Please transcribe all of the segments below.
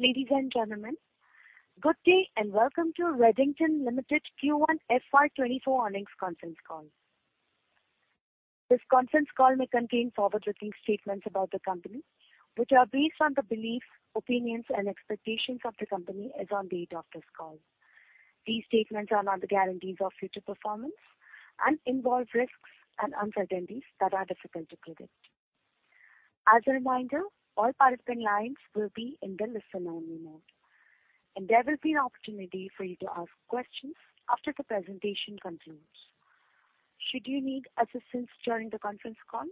Ladies and gentlemen, good day, and welcome to Redington Limited Q1 FY 2024 earnings conference call. This conference call may contain forward-looking statements about the company, which are based on the beliefs, opinions, and expectations of the company as on date of this call. These statements are not the guarantees of future performance and involve risks and uncertainties that are difficult to predict. As a reminder, all participant lines will be in the listen-only mode, and there will be an opportunity for you to ask questions after the presentation concludes. Should you need assistance during the conference call,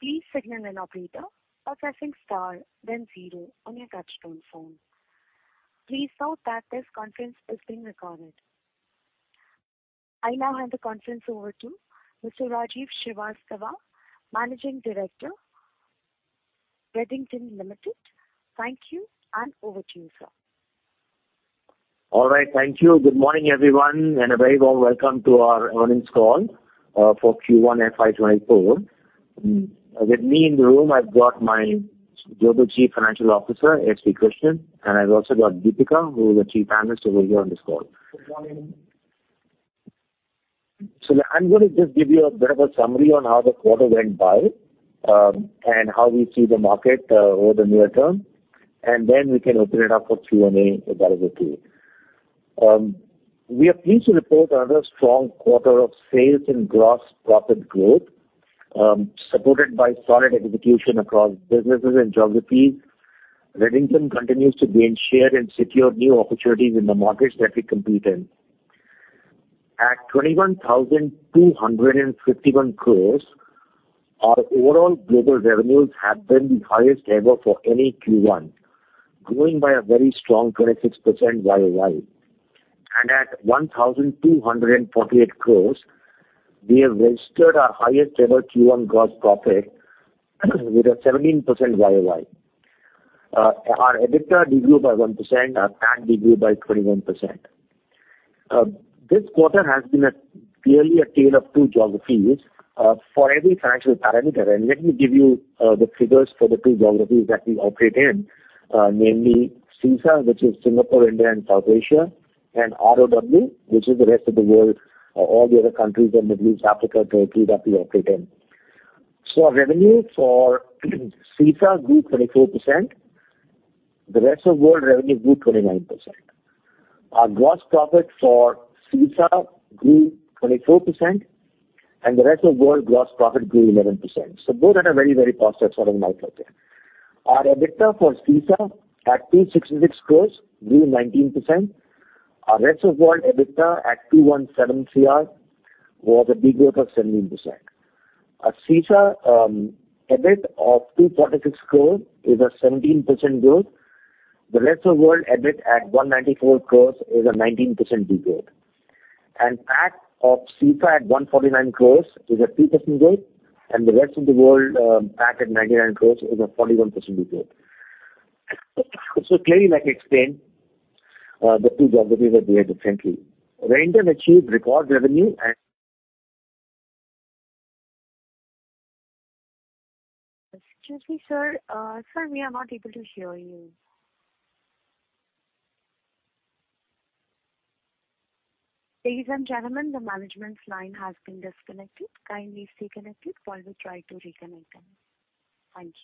please signal an operator by pressing star then zero on your touchtone phone. Please note that this conference is being recorded. I now hand the conference over to Mr. Rajiv Srivastava, Managing Director, Redington Limited. Thank you, and over to you, sir. All right. Thank you. Good morning, everyone, and a very warm welcome to our earnings call, for Q1 FY 2024. With me in the room, I've got my Global Chief Financial Officer, S.V. Krishnan, and I've also got Deepika, who is the Chief Analyst, over here on this call. Good morning. I'm going to just give you a bit of a summary on how the quarter went by, and how we see the market over the near term, and then we can open it up for Q&A if that is okay. We are pleased to report another strong quarter of sales and gross profit growth, supported by solid execution across businesses and geographies. Redington continues to gain share and secure new opportunities in the markets that we compete in. At 21,251 crore, our overall global revenues have been the highest ever for any Q1, growing by a very strong 26% YOY. At 1,248 crore, we have registered our highest-ever Q1 gross profit with a 17% YOY. Our EBITDA decrease by 1%, our PAT decrease by 21%. This quarter has been a clearly a tale of two geographies for every financial parameter. Let me give you the figures for the two geographies that we operate in, namely SISA, which is Singapore, India, and South Asia, and ROW, which is the Rest of the World, all the other countries, the Middle East, Africa, Turkey, that we operate in. Our revenue for SISA grew 24%. The Rest of World revenue grew 29%. Our gross profit for SISA grew 24%, and the Rest of World gross profit grew 11%. Both are a very, very positive sort of margin. Our EBITDA for SISA at 266 crores grew 19%. Our Rest of World EBITDA at 217 crores was a degrowth of 17%. Our SISA, EBITDA of 246 crore is a 17% growth. The Rest of World EBITDA at 194 crore is a 19% de growth. PAT of SISA at 149 crore is a 2% growth, and the Rest of the World, PAT at 99 crore is a 41% de growth. Clearly, like I explained, the two geographies are doing differently. Redington achieved record revenue and- Excuse me, sir. Sir, we are not able to hear you. Ladies and gentlemen, the management's line has been disconnected. Kindly stay connected while we try to reconnect them. Thank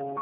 you.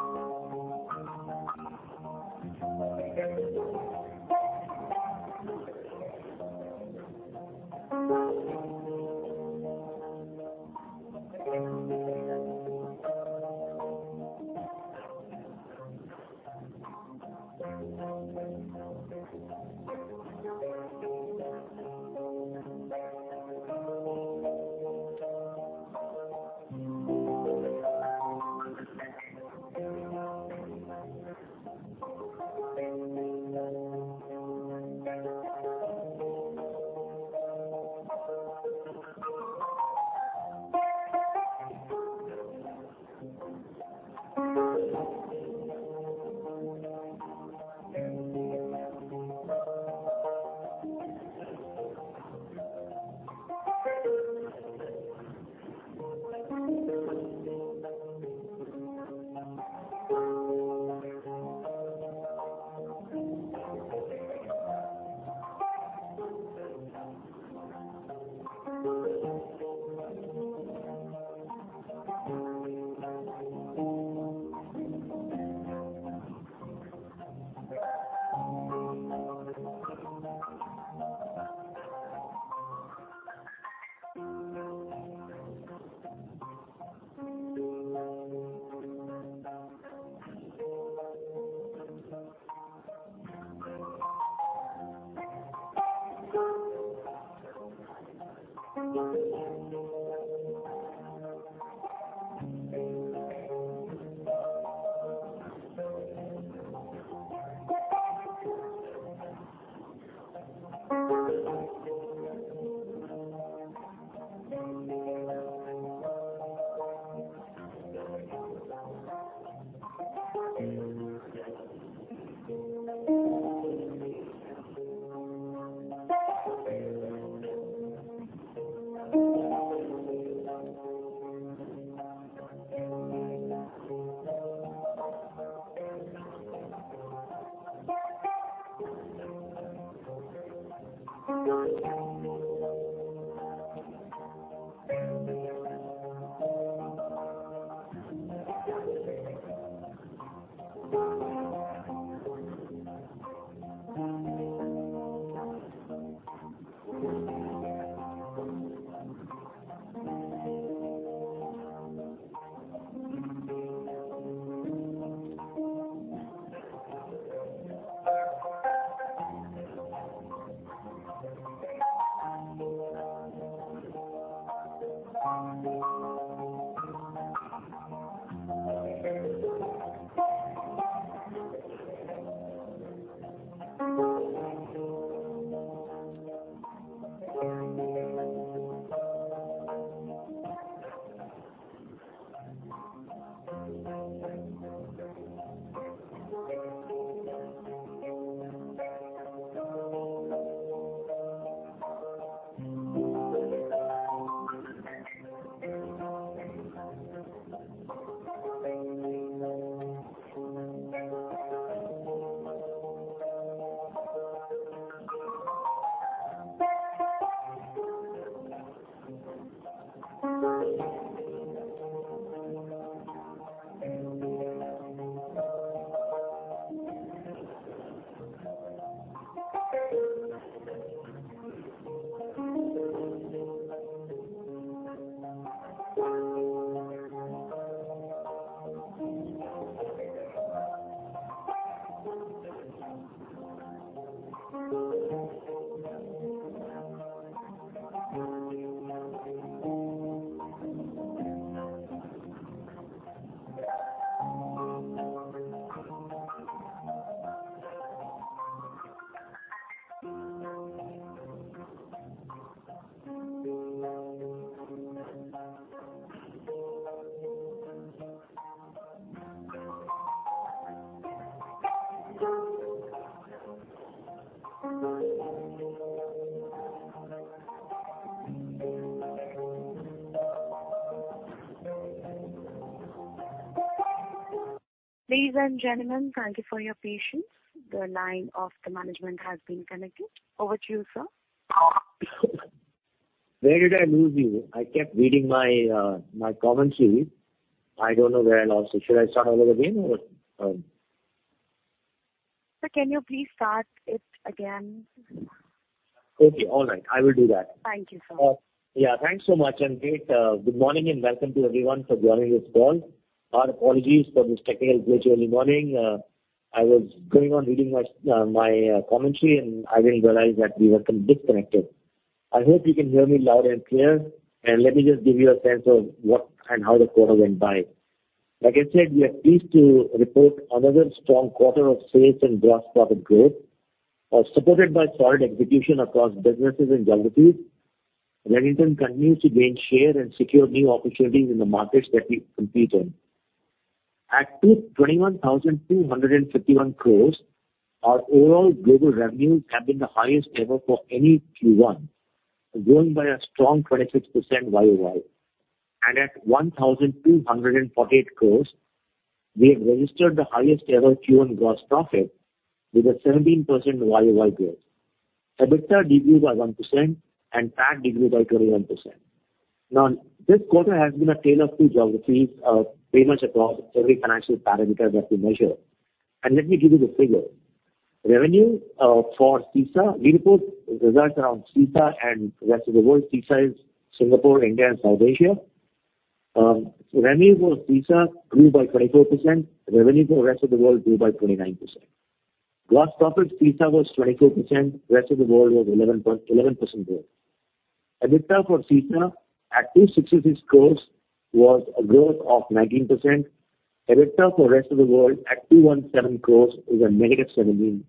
Ladies and gentlemen, thank you for your patience. The line of the management has been connected. Over to you, sir. Where did I lose you? I kept reading my, my commentary. I don't know where I lost you. Should I start all over again or? Sir, can you please start it again? Okay, all right. I will do that. Thank you, sir. Yeah, thanks so much, and great, good morning, and welcome to everyone for joining this call. Our apologies for this technical glitch early morning. I was going on reading my s-- my commentary, and I didn't realize that we were disconnected. I hope you can hear me loud and clear, and let me just give you a sense of what and how the quarter went by. Like I said, we are pleased to report another strong quarter of sales and gross profit growth, supported by solid execution across businesses and geographies. Redington continues to gain share and secure new opportunities in the markets that we compete in. At 221,251 crore, our overall global revenues have been the highest ever for any Q1, grown by a strong 26% YOY. At 1,248 crores, we have registered the highest ever Q1 gross profit with a 17% YOY growth. EBITDA grew by 1%, and PAT grew by 21%. This quarter has been a tale of two geographies, pretty much across every financial parameter that we measure. Let me give you the figure. Revenue for SISA. We report results around SISA and rest of the world. SISA is Singapore, India, and South Asia. Revenue for SISA grew by 24%. Revenue for rest of the world grew by 29%. Gross profit, SISA was 24%, rest of the world was 11% growth. EBITDA for SISA at 266 crores was a growth of 19%. EBITDA for rest of the world at 217 crores is a negative 17%.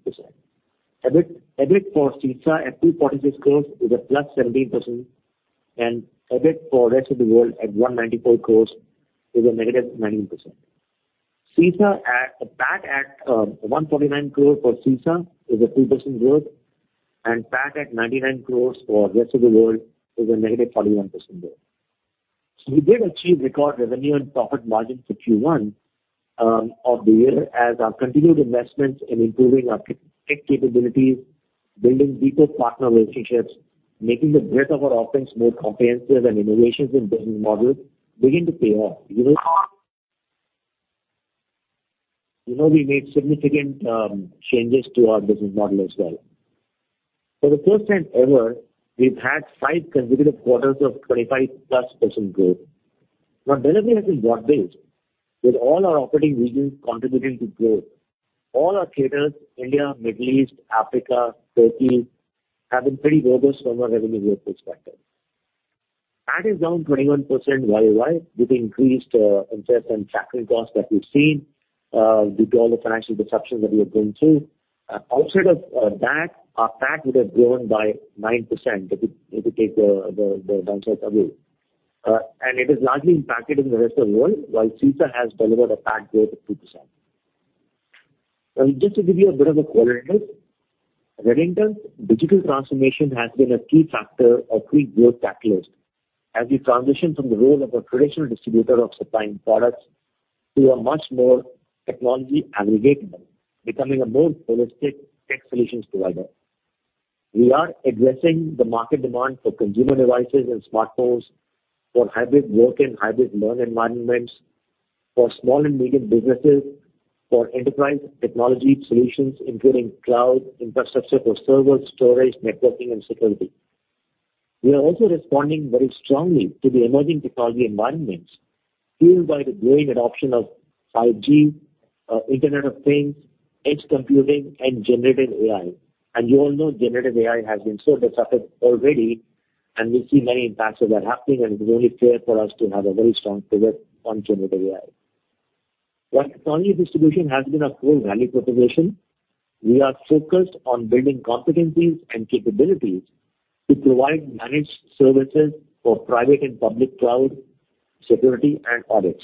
EBITDA, EBITDA for SISA at 246 crore is a +17%. EBITDA for rest of the world at 194 crore is a -19%. PAT at 149 crore for SISA is a 2% growth. PAT at 99 crore for rest of the world is a -41% growth. We did achieve record revenue and profit margins for Q1 of the year as our continued investments in improving our tech capabilities, building deeper partner relationships, making the breadth of our offerings more comprehensive and innovations in business models begin to pay off. You know, You know, we made significant changes to our business model as well. For the first time ever, we've had five consecutive quarters of 25+% growth. Revenue has been broad-based, with all our operating regions contributing to growth. All our theaters, India, Middle East, Africa, Turkey, have been pretty robust from a revenue growth perspective. PAT is down 21% YOY with the increased interest and factoring costs that we've seen due to all the financial disruptions that we have been through. Outside of that, our PAT would have grown by 9%, if you take the downside away. It is largely impacted in the rest of the world, while SISA has delivered a PAT growth of 2%. Just to give you a bit of a qualitative, Redington's digital transformation has been a key factor, a key growth catalyst, as we transition from the role of a traditional distributor of supplying products to a much more technology aggregator, becoming a more holistic tech solutions provider. We are addressing the market demand for consumer devices and smartphones, for hybrid work and hybrid learn environments, for small and medium businesses, for enterprise technology solutions, including cloud infrastructure for server, storage, networking, and security. We are also responding very strongly to the emerging technology environments, fueled by the growing adoption of 5G, Internet of Things, edge computing, and generative AI. You all know generative AI has been so disrupted already, and we see many impacts that are happening, and it is only fair for us to have a very strong pivot on generative AI. While technology distribution has been a core value proposition, we are focused on building competencies and capabilities to provide managed services for private and public cloud, security, and audits.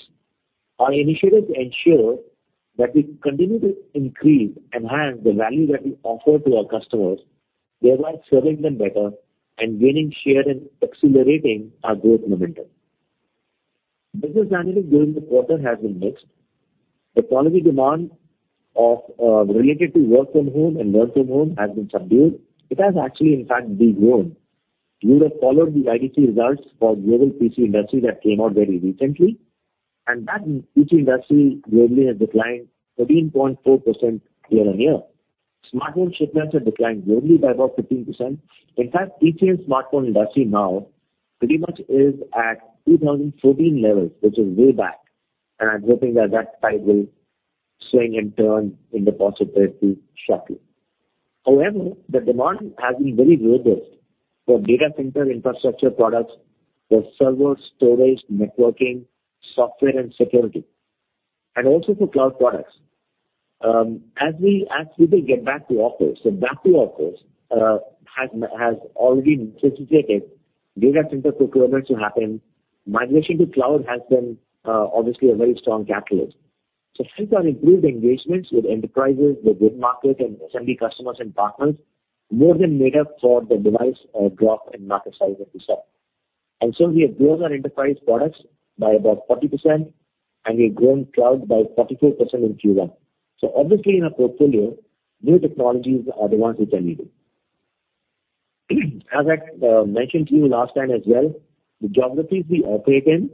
Our initiatives ensure that we continue to increase, enhance the value that we offer to our customers, thereby serving them better and gaining share and accelerating our growth momentum. Business dynamic during the quarter has been mixed. The quality demand related to work from home and learn from home has been subdued. It has actually, in fact, degrown. You would have followed the IDC results for global PC industry that came out very recently, that PC industry globally has declined 13.4% year-on-year. Smartphone shipments have declined globally by about 15%. In fact, PC and smartphone industry now pretty much is at 2014 levels, which is way back, and I'm hoping that that tide will swing and turn in the positive very soon, shortly. However, the demand has been very robust for data center infrastructure products, for server, storage, networking, software, and security, and also for cloud products. As we, as people get back to office, back to office has already necessitated data center procurement to happen. Migration to cloud has been obviously a very strong catalyst. Thanks to our improved engagements with enterprises, the good market, and SMB customers and partners, more than made up for the device drop in market size that we saw. We have grown our enterprise products by about 40%, and we've grown cloud by 44% in Q1. Obviously, in our portfolio, new technologies are the ones which are leading. As I mentioned to you last time as well, the geographies we operate in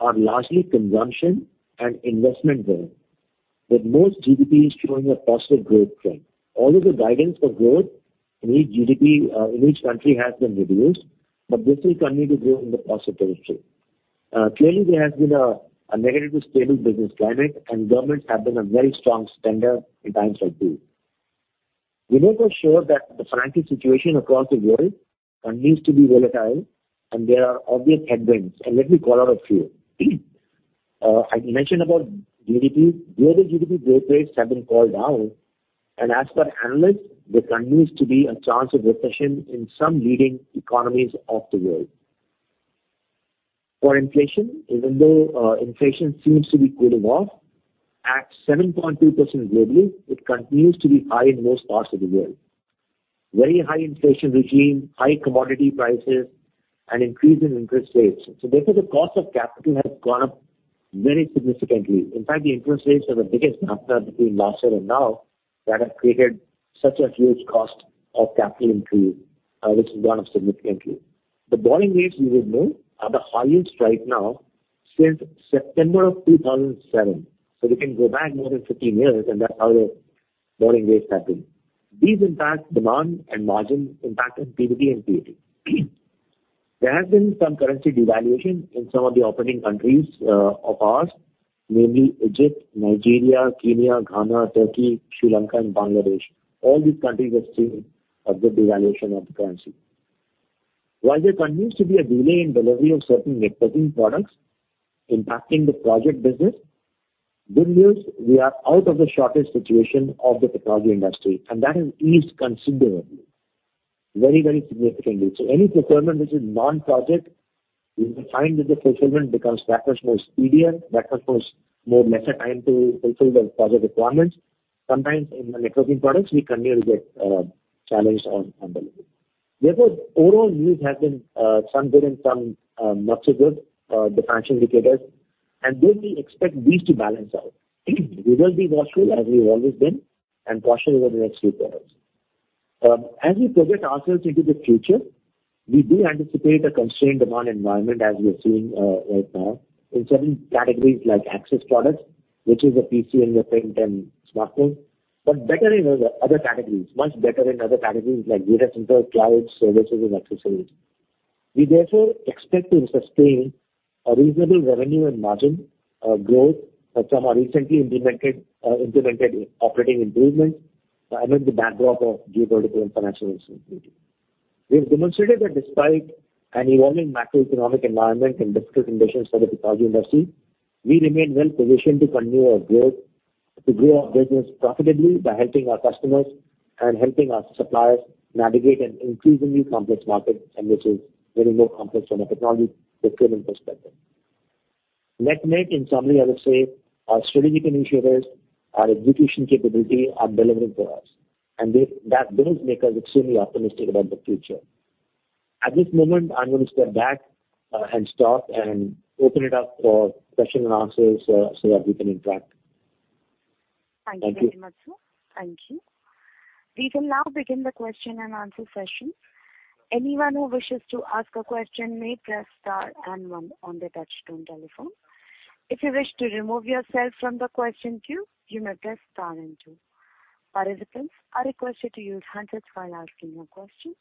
are largely consumption and investment driven, with most GDPs showing a positive growth trend. Although the guidance for growth in each GDP in each country has been reduced, this will continue to grow in the positive territory. Clearly, there has been a negative to stable business climate, and governments have been a very strong spender in times like these. We're also sure that the financial situation across the world continues to be volatile and there are obvious headwinds. Let me call out a few. I mentioned about GDP. Global GDP growth rates have been called down, as per analysts, there continues to be a chance of recession in some leading economies of the world. For inflation, even though inflation seems to be cooling off at 7.2% globally, it continues to be high in most parts of the world. Very high inflation regime, high commodity prices, and increase in interest rates. Therefore, the cost of capital has gone up very significantly. In fact, the interest rates are the biggest gap between last year and now, that have created such a huge cost of capital increase, which has gone up significantly. The borrowing rates, you would know, are the highest right now since September of 2007. We can go back more than 15 years, and that's how the borrowing rates have been. These impact demand and margin impact in PBT and PAT. There has been some currency devaluation in some of the operating countries of ours, mainly Egypt, Nigeria, Kenya, Ghana, Turkey, Sri Lanka, and Bangladesh. All these countries are seeing a good devaluation of the currency. While there continues to be a delay in delivery of certain networking products impacting the project business, good news, we are out of the shortage situation of the technology industry, and that has eased considerably. Very, very significantly. Any procurement which is non-project, we will find that the fulfillment becomes that much more speedier, that much more, lesser time to fulfill the project requirements. Sometimes in the networking products, we continue to get challenged on, on delivery. Overall news has been some good and some not so good, the financial indicators, and we do expect these to balance out. We will be watchful, as we've always been, and cautious over the next few quarters. As we project ourselves into the future, we do anticipate a constrained demand environment, as we are seeing right now, in certain categories like access products, which is a PC and networking and smartphone. Better in other, other categories, much better in other categories like data center, cloud, services, and accessories. We therefore expect to sustain a reasonable revenue and margin growth from our recently implemented, implemented operating improvements amid the backdrop of geopolitical and financial instability. We've demonstrated that despite an evolving macroeconomic environment and difficult conditions for the technology industry, we remain well-positioned to continue our growth, to grow our business profitably by helping our customers and helping our suppliers navigate an increasingly complex market, which is getting more complex from a technology perspective. Net-net, in summary, I would say our strategic initiatives, our execution capability are delivering for us, and that does make us extremely optimistic about the future. At this moment, I'm going to step back, and stop and open it up for question and answers, so that we can interact. Thank you very much, sir. Thank you. Thank you. We will now begin the question and answer session. Anyone who wishes to ask a question may press star 1 on their touchtone telephone. If you wish to remove yourself from the question queue, you may press star 2. Participants are requested to use handsets while asking your question.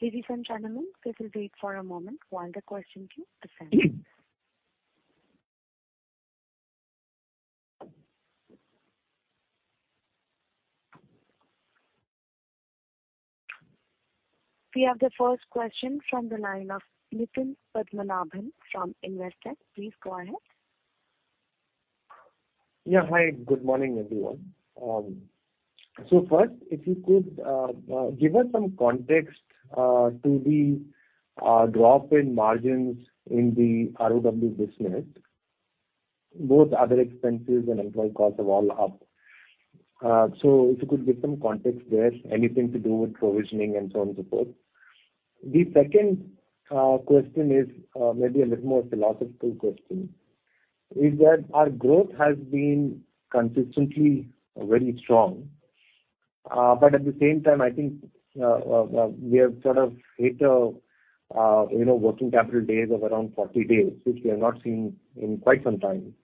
Ladies and gentlemen, please wait for a moment while the question queue is set. We have the first question from the line of Nitin Padmanabhan from Investec. Please go ahead. Yeah. Hi, good morning, everyone. First, if you could give us some context to the drop in margins in the ROW business. Both other expenses and employee costs are all up. If you could give some context there, anything to do with provisioning and so on, so forth. The second question is, maybe a little more philosophical question, is that our growth has been consistently very strong. At the same time, I think, we have sort of hit a, you know, working capital days of around 40 days, which we have not seen in quite some time.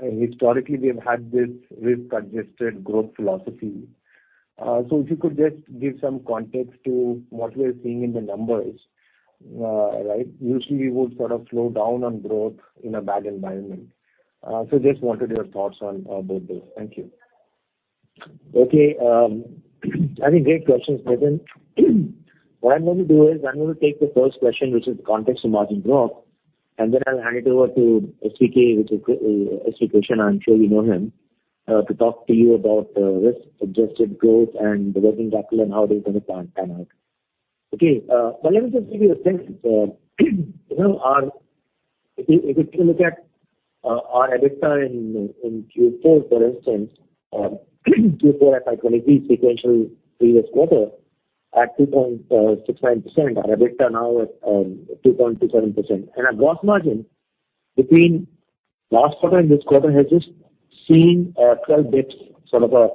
Historically, we have had this risk-adjusted growth philosophy. If you could just give some context to what we are seeing in the numbers, right? Usually, we would sort of slow down on growth in a bad environment. Just wanted your thoughts on, about this. Thank you. Okay, I think great questions, Nitin. What I'm going to do is, I'm going to take the first question, which is context to margin drop, and then I'll hand it over to SVK, which is SV Krishnan, I'm sure you know him, to talk to you about risk-adjusted growth and the working capital and how that's gonna pan out. Okay, so let me just give you the sense. You know, if you, if you look at our EBITDA in, in Q4, for instance, Q4 at 23 sequential previous quarter at 2.69%, our EBITDA now at 2.27%. Our gross margin between last quarter and this quarter has just seen 12 bits, sort of a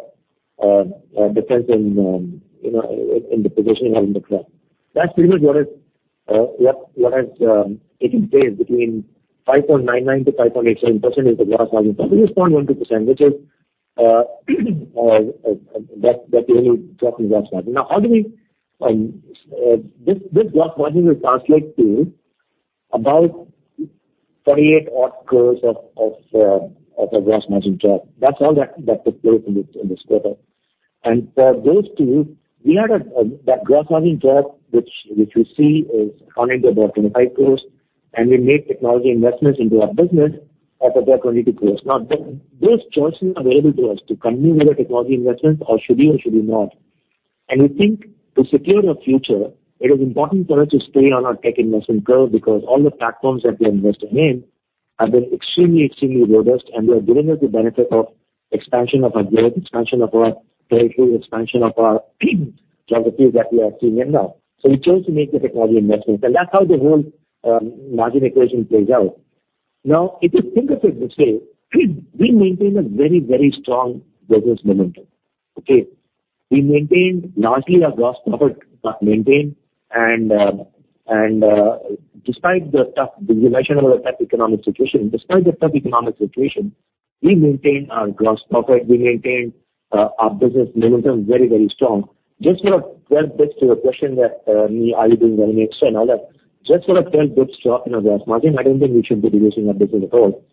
difference in, you know, in the positioning on the cloud. That's pretty much what is, what, what has taken place between 5.99%-5.87% is the gross margin, so it is 0.12%, which is that, that the only drop in gross margin. How do we... This gross margin will translate to about 48 crore of a gross margin drop. That's all that, that took place in this, in this quarter. For those two, we had that gross margin drop, which, which you see is coming to about 25 crore, and we made technology investments into our business at about 22 crore. Those choices are available to us to continue with the technology investments or should we or should we not? We think to secure our future, it is important for us to stay on our tech investment curve, because all the platforms that we are investing in have been extremely, extremely robust, and they are giving us the benefit of expansion of our growth, expansion of our territory, expansion of our geographies that we are seeing in now. We chose to make the technology investments, and that's how the whole margin equation plays out. Now, if you think of it this way, we maintain a very, very strong business momentum. Okay? We maintain largely our gross profit maintained, and despite the tough, you mentioned about the tough economic situation, despite the tough economic situation, we maintain our gross profit, we maintain our business momentum very, very strong. Just sort of well, back to your question that, are you doing very much so and all that. Just for a 10 basis points drop in our gross margin, I don't think we should be reducing our business at all.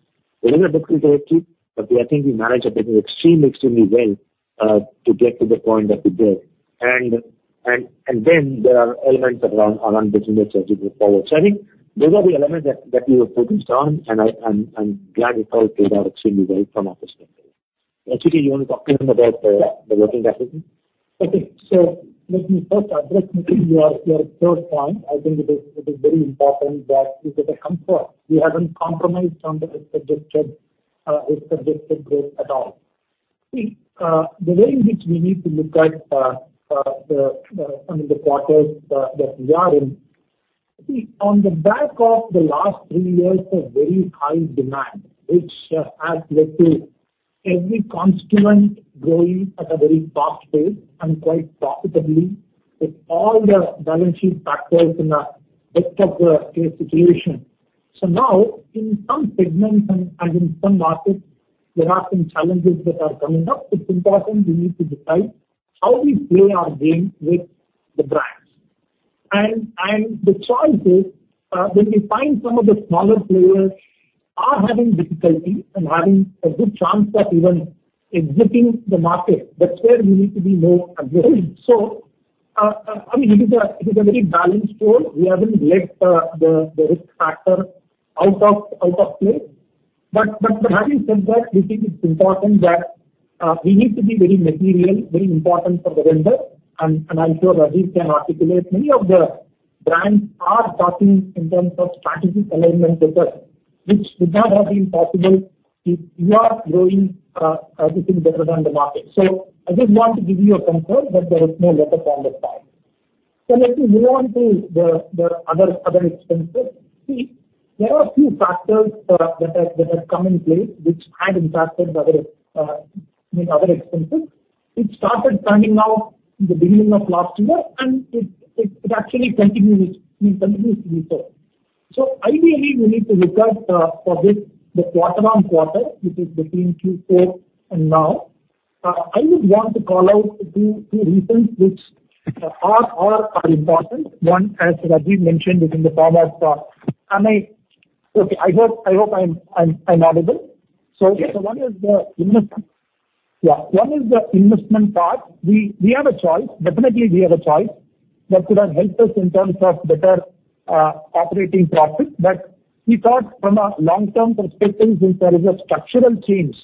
It is a difficult territory, but I think we managed our business extremely, extremely well, to get to the point that we did. There are elements around, around business that you go forward. I think those are the elements that, that we were focused on, and I'm, I'm glad it all played out extremely well from our perspective. SVK, you want to talk to him about the, the working capital? Okay. Let me first address, Nitin, your, your third point. I think it is, it is very important that you get a comfort. We haven't compromised on the risk-adjusted, risk-adjusted growth at all. The way in which we need to look at, the quarters that, that we are in. On the back of the last three years of very high demand, which has led to every constituent growing at a very fast pace and quite profitably, with all the balance sheet factors in a best of the case situation. Now, in some segments and, and in some markets, there are some challenges that are coming up. It's important we need to decide how we play our game with the brand. The chance is, when we find some of the smaller players are having difficulty and having a good chance of even exiting the market, that's where we need to be more aggressive. I mean, it is a, it is a very balanced role. We haven't left the, the risk factor out of, out of place. Having said that, we think it's important that we need to be very material, very important for the vendor. I'm sure Rajiv can articulate, many of the brands are talking in terms of strategic alignment with us, which would not have been possible if we are growing everything better than the market. I just want to give you a comfort that there is no letup on this side. Let me move on to the, the other, other expenses. See, there are a few factors that have, that have come in place which had impacted other, I mean, other expenses. It started standing out in the beginning of last year, and it, it, it actually continues, it continues to be so. Ideally, we need to look at for this, the quarter-on-quarter, which is between Q4 and now. I would want to call out a few, few reasons which are, are, are important. One, as Rajiv mentioned, is in the form of... Okay, I hope, I hope I'm, I'm, I'm audible. One is the investment. One is the investment part. We, we have a choice. Definitely, we have a choice that could have helped us in terms of better operating profit. We thought from a long-term perspective, in terms of structural change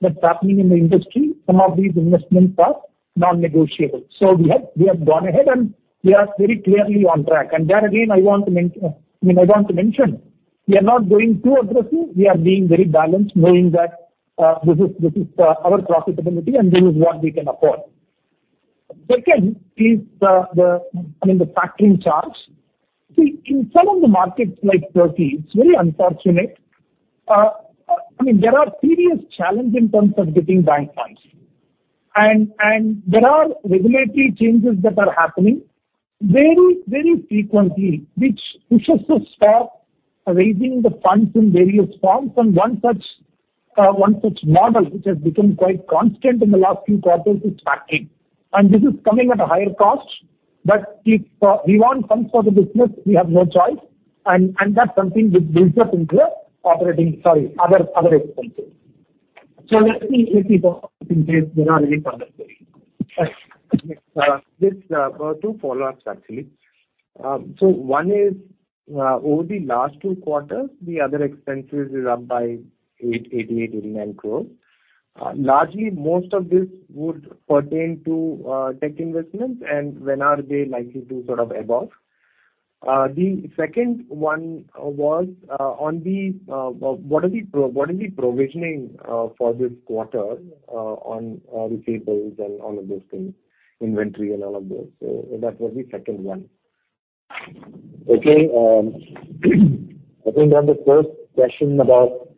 that's happening in the industry, some of these investments are non-negotiable. We have, we have gone ahead, and we are very clearly on track. There again, I mean, I want to mention, we are not going too aggressive. We are being very balanced, knowing that this is, this is our profitability, and this is what we can afford. Second is the, the, I mean, the factoring charge. See, in some of the markets like Turkey, it's very unfortunate. I mean, there are serious challenge in terms of getting bank loans. There are regulatory changes that are happening very, very frequently, which pushes us to start raising the funds in various forms. One such model, which has become quite constant in the last few quarters, is factoring. This is coming at a higher cost. If we want funds for the business, we have no choice. That's something which builds up into the operating, sorry, other, other expenses. Let me, let me... Uh, just, uh, two follow-ups, actually. Um, so one is, uh, over the last two quarters, the other expenses is up by eight, eighty-eight, eighty-nine crore. Uh, largely, most of this would pertain to, uh, tech investments, and when are they likely to sort of ebb off? Uh, the second one, uh, was, uh, on the, uh, what are the pro- what is the provisioning, uh, for this quarter, uh, on, uh, receivables and all of those things, inventory and all of those? So that was the second one. Okay, I think on the first question about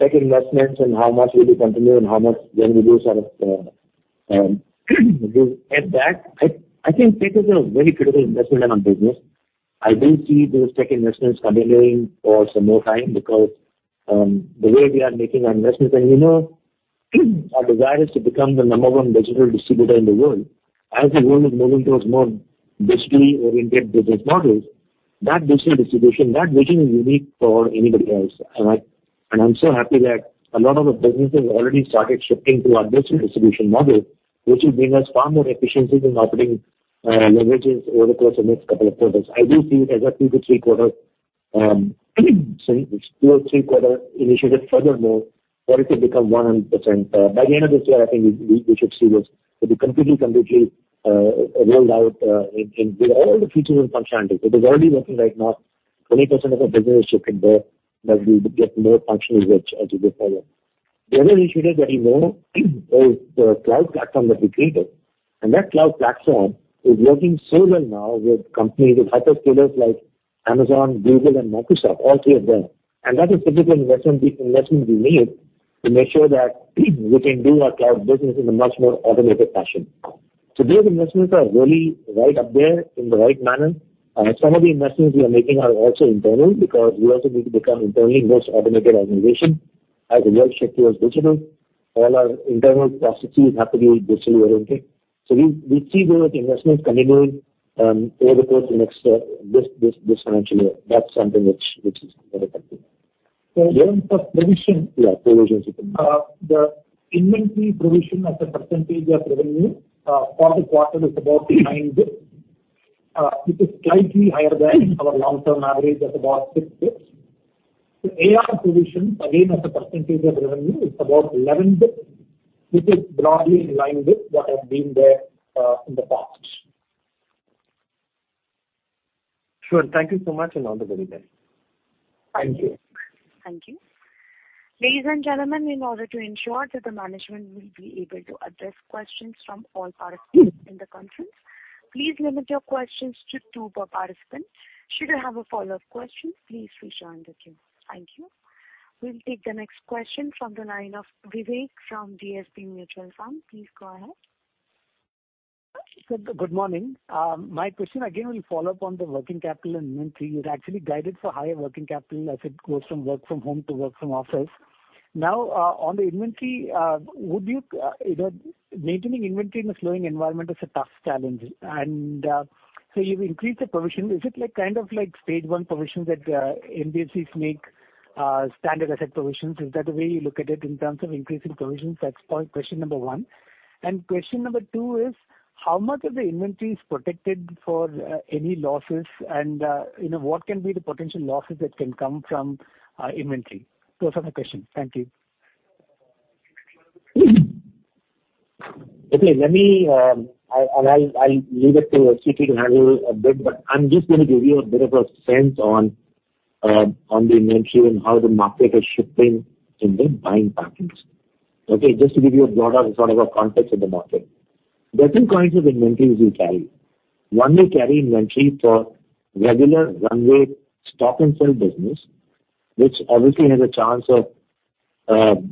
tech investments and how much we will continue and how much then we do sort of, at that, I think this is a very critical investment in our business. I do see those tech investments continuing for some more time because the way we are making our investments, and, you know, our desire is to become the number 1 digital distributor in the world. As the world is moving towards more digitally-oriented business models, that digital distribution, that vision is unique for anybody else. I'm so happy that a lot of the businesses already started shifting to our digital distribution model, which will bring us far more efficiencies in operating leverages over the course of the next two quarters. I do see it as a two-three quarter, so two or three quarter initiative. Furthermore, for it to become 100%, by the end of this year, I think we, we should see this to be completely, completely, rolled out, in, in with all the features and functionalities. It is already working right now. 20% of our business is shifted there, but we get more functional reach as we go forward. The other initiative that you know, is the cloud platform that we created. That cloud platform is working so well now with companies, with hyperscalers like Amazon, Google, and Microsoft, all three of them. That is typical investment, investment we made to make sure that we can do our cloud business in a much more automated fashion. These investments are really right up there in the right manner. Some of the investments we are making are also internal, because we also need to become internally most automated organization as the world shift towards digital. All our internal processes have to be digitally oriented. We, we see those investments continuing over the course of next this, this, this financial year. That's something which, which is very complete. In terms of provision. Yeah, provisions. The inventory provision as a percentage of revenue for the quarter is about 9 bit. It is slightly higher than our long-term average of about 6 bits. AR provisions, again, as a percentage of revenue, is about 11 bit, which is broadly in line with what has been there in the past. Sure. Thank you so much. All the very best. Thank you. Thank you. Ladies and gentlemen, in order to ensure that the management will be able to address questions from all participants in the conference, please limit your questions to two per participant. Should you have a follow-up question, please rejoined the queue. Thank you. We'll take the next question from the line of Vivek from DSP Mutual Fund. Please go ahead. Good morning. My question again will follow up on the working capital and inventory. You'd actually guided for higher working capital as it goes from work from home to work from office. Now, on the inventory, would you, you know, maintaining inventory in a slowing environment is a tough challenge. So you've increased the provision. Is it stage one provisions that NBFCs make, standard asset provisions? Is that the way you look at it in terms of increasing provisions? That's point, question number one. Question number two is, how much of the inventory is protected for any losses? You know, what can be the potential losses that can come from inventory? Those are my questions. Thank you. Let me, I, and I'll, I'll leave it to SVK to handle a bit, but I'm just going to give you a bit of a sense on the inventory and how the market is shifting in the buying patterns. Just to give you a broader sort of a context of the market. There are two kinds of inventories we carry. One, we carry inventory for regular runway stock and sell business, which obviously has a chance of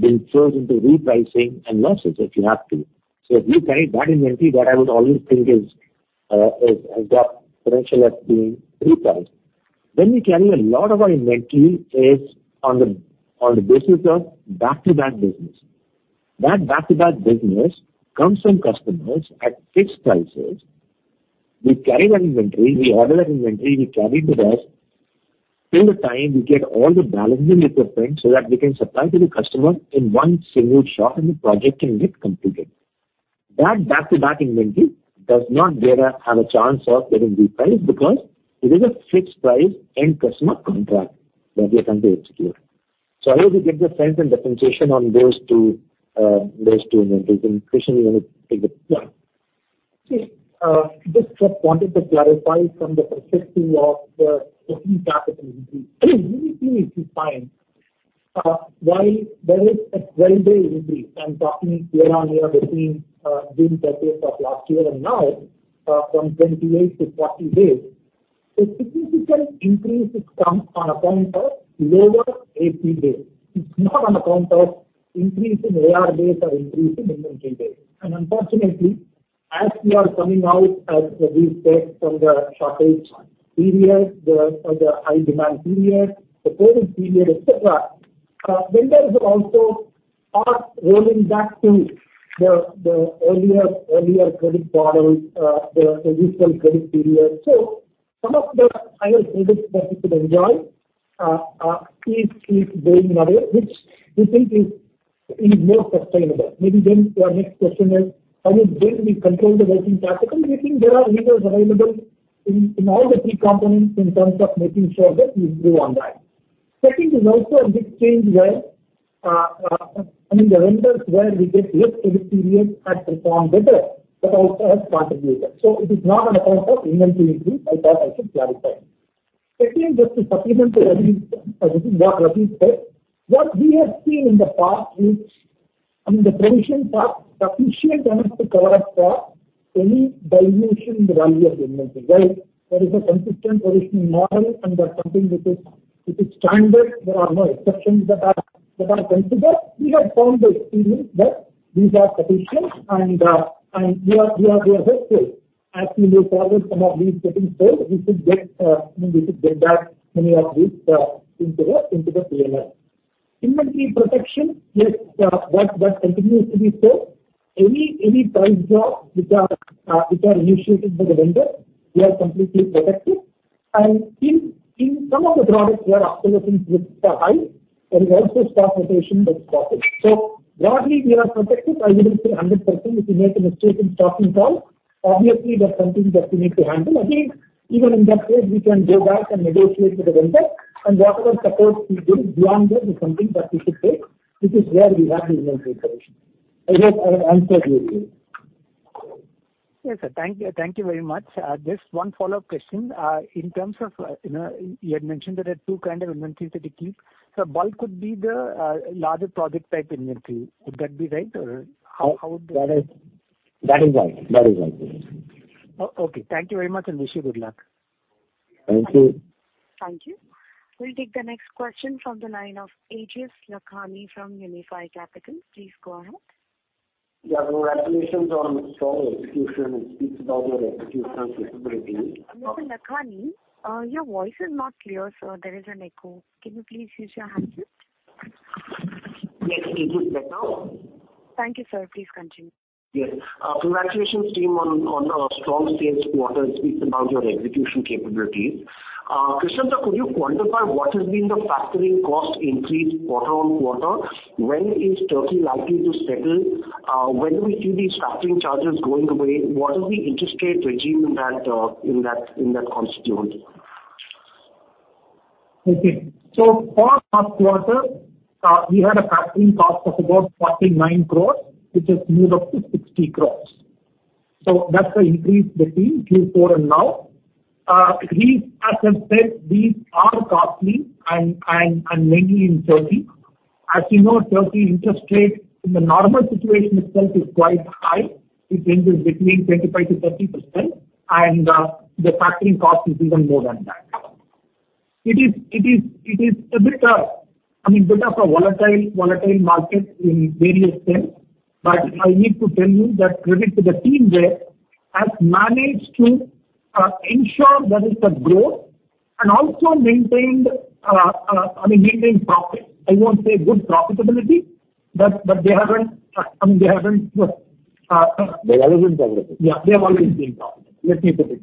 being thrown into repricing and losses, if you have to. If we carry that inventory, what I would always think is, is, has got potential of being repriced. We carry a lot of our inventory is on the basis of back-to-back business. That back-to-back business comes from customers at fixed prices. We carry that inventory, we order that inventory, we carry to them, till the time we get all the balancing equipment, so that we can supply to the customer in one single shot, and the project can get completed. That back-to-back inventory does not get a, have a chance of getting repriced, because it is a fixed price end customer contract that we are going to execute. I hope it gives a sense and differentiation on those two, those two inventories. Krishnan is going to take it now. Okay. Just wanted to clarify from the perspective of the working capital increase. I mean, we see if you find why there is a 12-day increase. I'm talking year-on-year between June 30 of last year and now, from 28 to 40 days. A significant increase is come on account of lower AP days. It's not on account of increase in AR days or increase in inventory days. And unfortunately, as we are coming out, as Ravi said, from the shortage period, the, the high demand period, the COVID period, et cetera, vendors also are rolling back to the, the earlier, earlier credit models, the, the recent credit period. Some of the higher benefits that we could enjoy is, is going away, which we think is, is more sustainable. Maybe then your next question is, how will we control the working capital? We think there are levers available in, in all the three components in terms of making sure that we improve on that. Second is also a big change where, I mean, the vendors where we get less credit period had performed better, but also has contributed. It is not on account of inventory, I thought I should clarify. Secondly, just to supplement to what he, what Rajiv said, what we have seen in the past is, I mean, the provision are sufficient enough to cover up for any dilution in the value of the inventory. There is a consistent provisioning model, and that's something which is, which is standard. There are no exceptions that are, that are considered. We have found the experience that these are sufficient, and we are, we are, we are hopeful. As we move forward, some of these getting paid, we should get, we should get back many of these into the, into the P&L. Inventory protection, yes, that, that continues to be so. Any, any price drop which are, which are initiated by the vendor, we are completely protected. In, in some of the products where obsolescence risks are high, there is also stock rotation that's possible. Broadly, we are protected. I wouldn't say 100%, if you make a mistake in stocking call, obviously, that's something that you need to handle. Even in that case, we can go back and negotiate with the vendor, and whatever support we get beyond that is something that we should take. This is where we have the inventory protection. I hope I have answered you. Yes, sir. Thank you, thank you very much. Just one follow-up question. In terms of, you know, you had mentioned there are two kinds of inventories that you keep. Bulk could be the, larger project type inventory. Would that be right, or how, how would be? That is, that is right. That is right. Okay. Thank you very much. Wish you good luck. Thank you. Thank you. We'll take the next question from the line of Aejas Lakhani from Unifi Capital. Please go ahead. Congratulations on strong execution. It speaks about your execution capabilities. Mr. Lakhani, your voice is not clear, sir. There is an echo. Can you please use your handset? Yes, is it better now? Thank you, sir. Please continue. Yes. Congratulations, team, on, on a strong sales quarter. It speaks about your execution capabilities. Krishnan, could you quantify what has been the factoring cost increase quarter-on-quarter? When is Turkey likely to settle? When do we see these factoring charges going away? What is the interest rate regime in that constituent? Okay. For first quarter, we had a factoring cost of about 49 crore, which has moved up to 60 crore. That's the increase between Q4 and now. These, as I said, these are costly and, and, and mainly in Turkey. As you know, Turkey interest rate in the normal situation itself is quite high. It ranges between 25%-30%, and the factoring cost is even more than that. It is, it is, it is a bit, I mean, bit of a volatile, volatile market in various sense. I need to tell you that credit to the team there has managed to ensure there is a growth and also maintained, I mean, maintained profit. I won't say good profitability, but, but they haven't, I mean, they haven't. They have been profitable. Yeah, they have always been profitable. Let me put it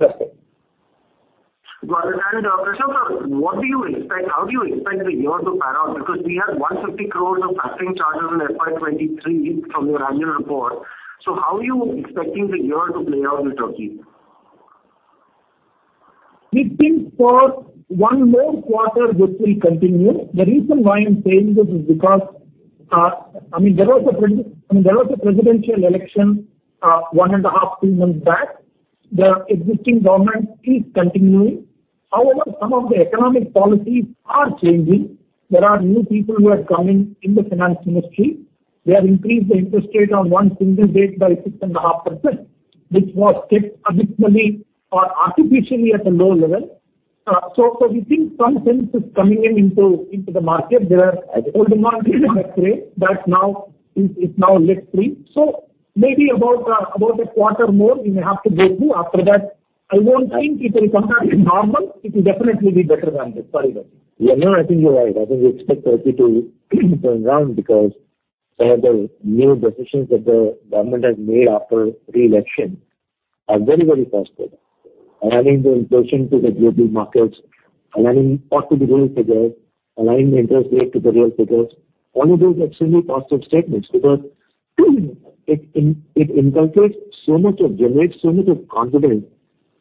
that way. Perfect. Well, Krishnan, Raj, how do you expect the year to pan out? Because we have 150 crore of passing charges in FY 2023 from your annual report. How are you expecting the year to play out in Turkey? We think for one more quarter, this will continue. The reason why I'm saying this is because, I mean, there was a presidential election, 1.5, 2 months back. The existing government is continuing. However, some of the economic policies are changing. There are new people who are coming in the finance ministry. They have increased the interest rate on one single date by 6.5%, which was kept artificially or artificially at a low level. So we think some sense is coming in into the market. There are demand in the market that now is now less free. So maybe about a quarter more, we may have to go through. After that, I won't think it will come back to normal. It will definitely be better than this, sorry about that. Yeah, no, I think you're right. I think we expect Turkey to turn around because some of the new decisions that the government has made after the election are very, very positive. Aligning the inflation to the global markets, aligning what are the real figures, aligning the interest rate to the real figures, all of those are extremely positive statements because it inculcates so much of, generates so much of confidence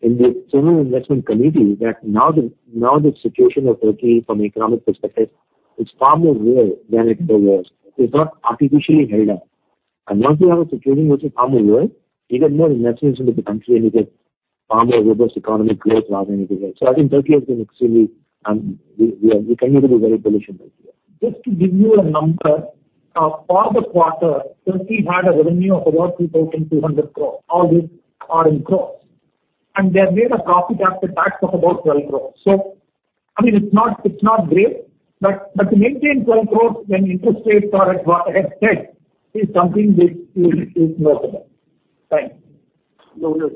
in the general investment community, that now the situation of Turkey from economic perspective is far more real than it ever was. It's not artificially held up. Once you have a situation which is far more real, you get more investments into the country, and you get far more robust economic growth rather than you get. I think Turkey has been extremely, we continue to be very bullish in that area. Just to give you a number, for the quarter, Turkey had a revenue of about 3,200 crore. All these are in crores. They have made a profit after tax of about 12 crore. I mean, it's not, it's not great, but, but to maintain 12 crore when interest rates are at what it is, is something which is, is notable. Right. No, good.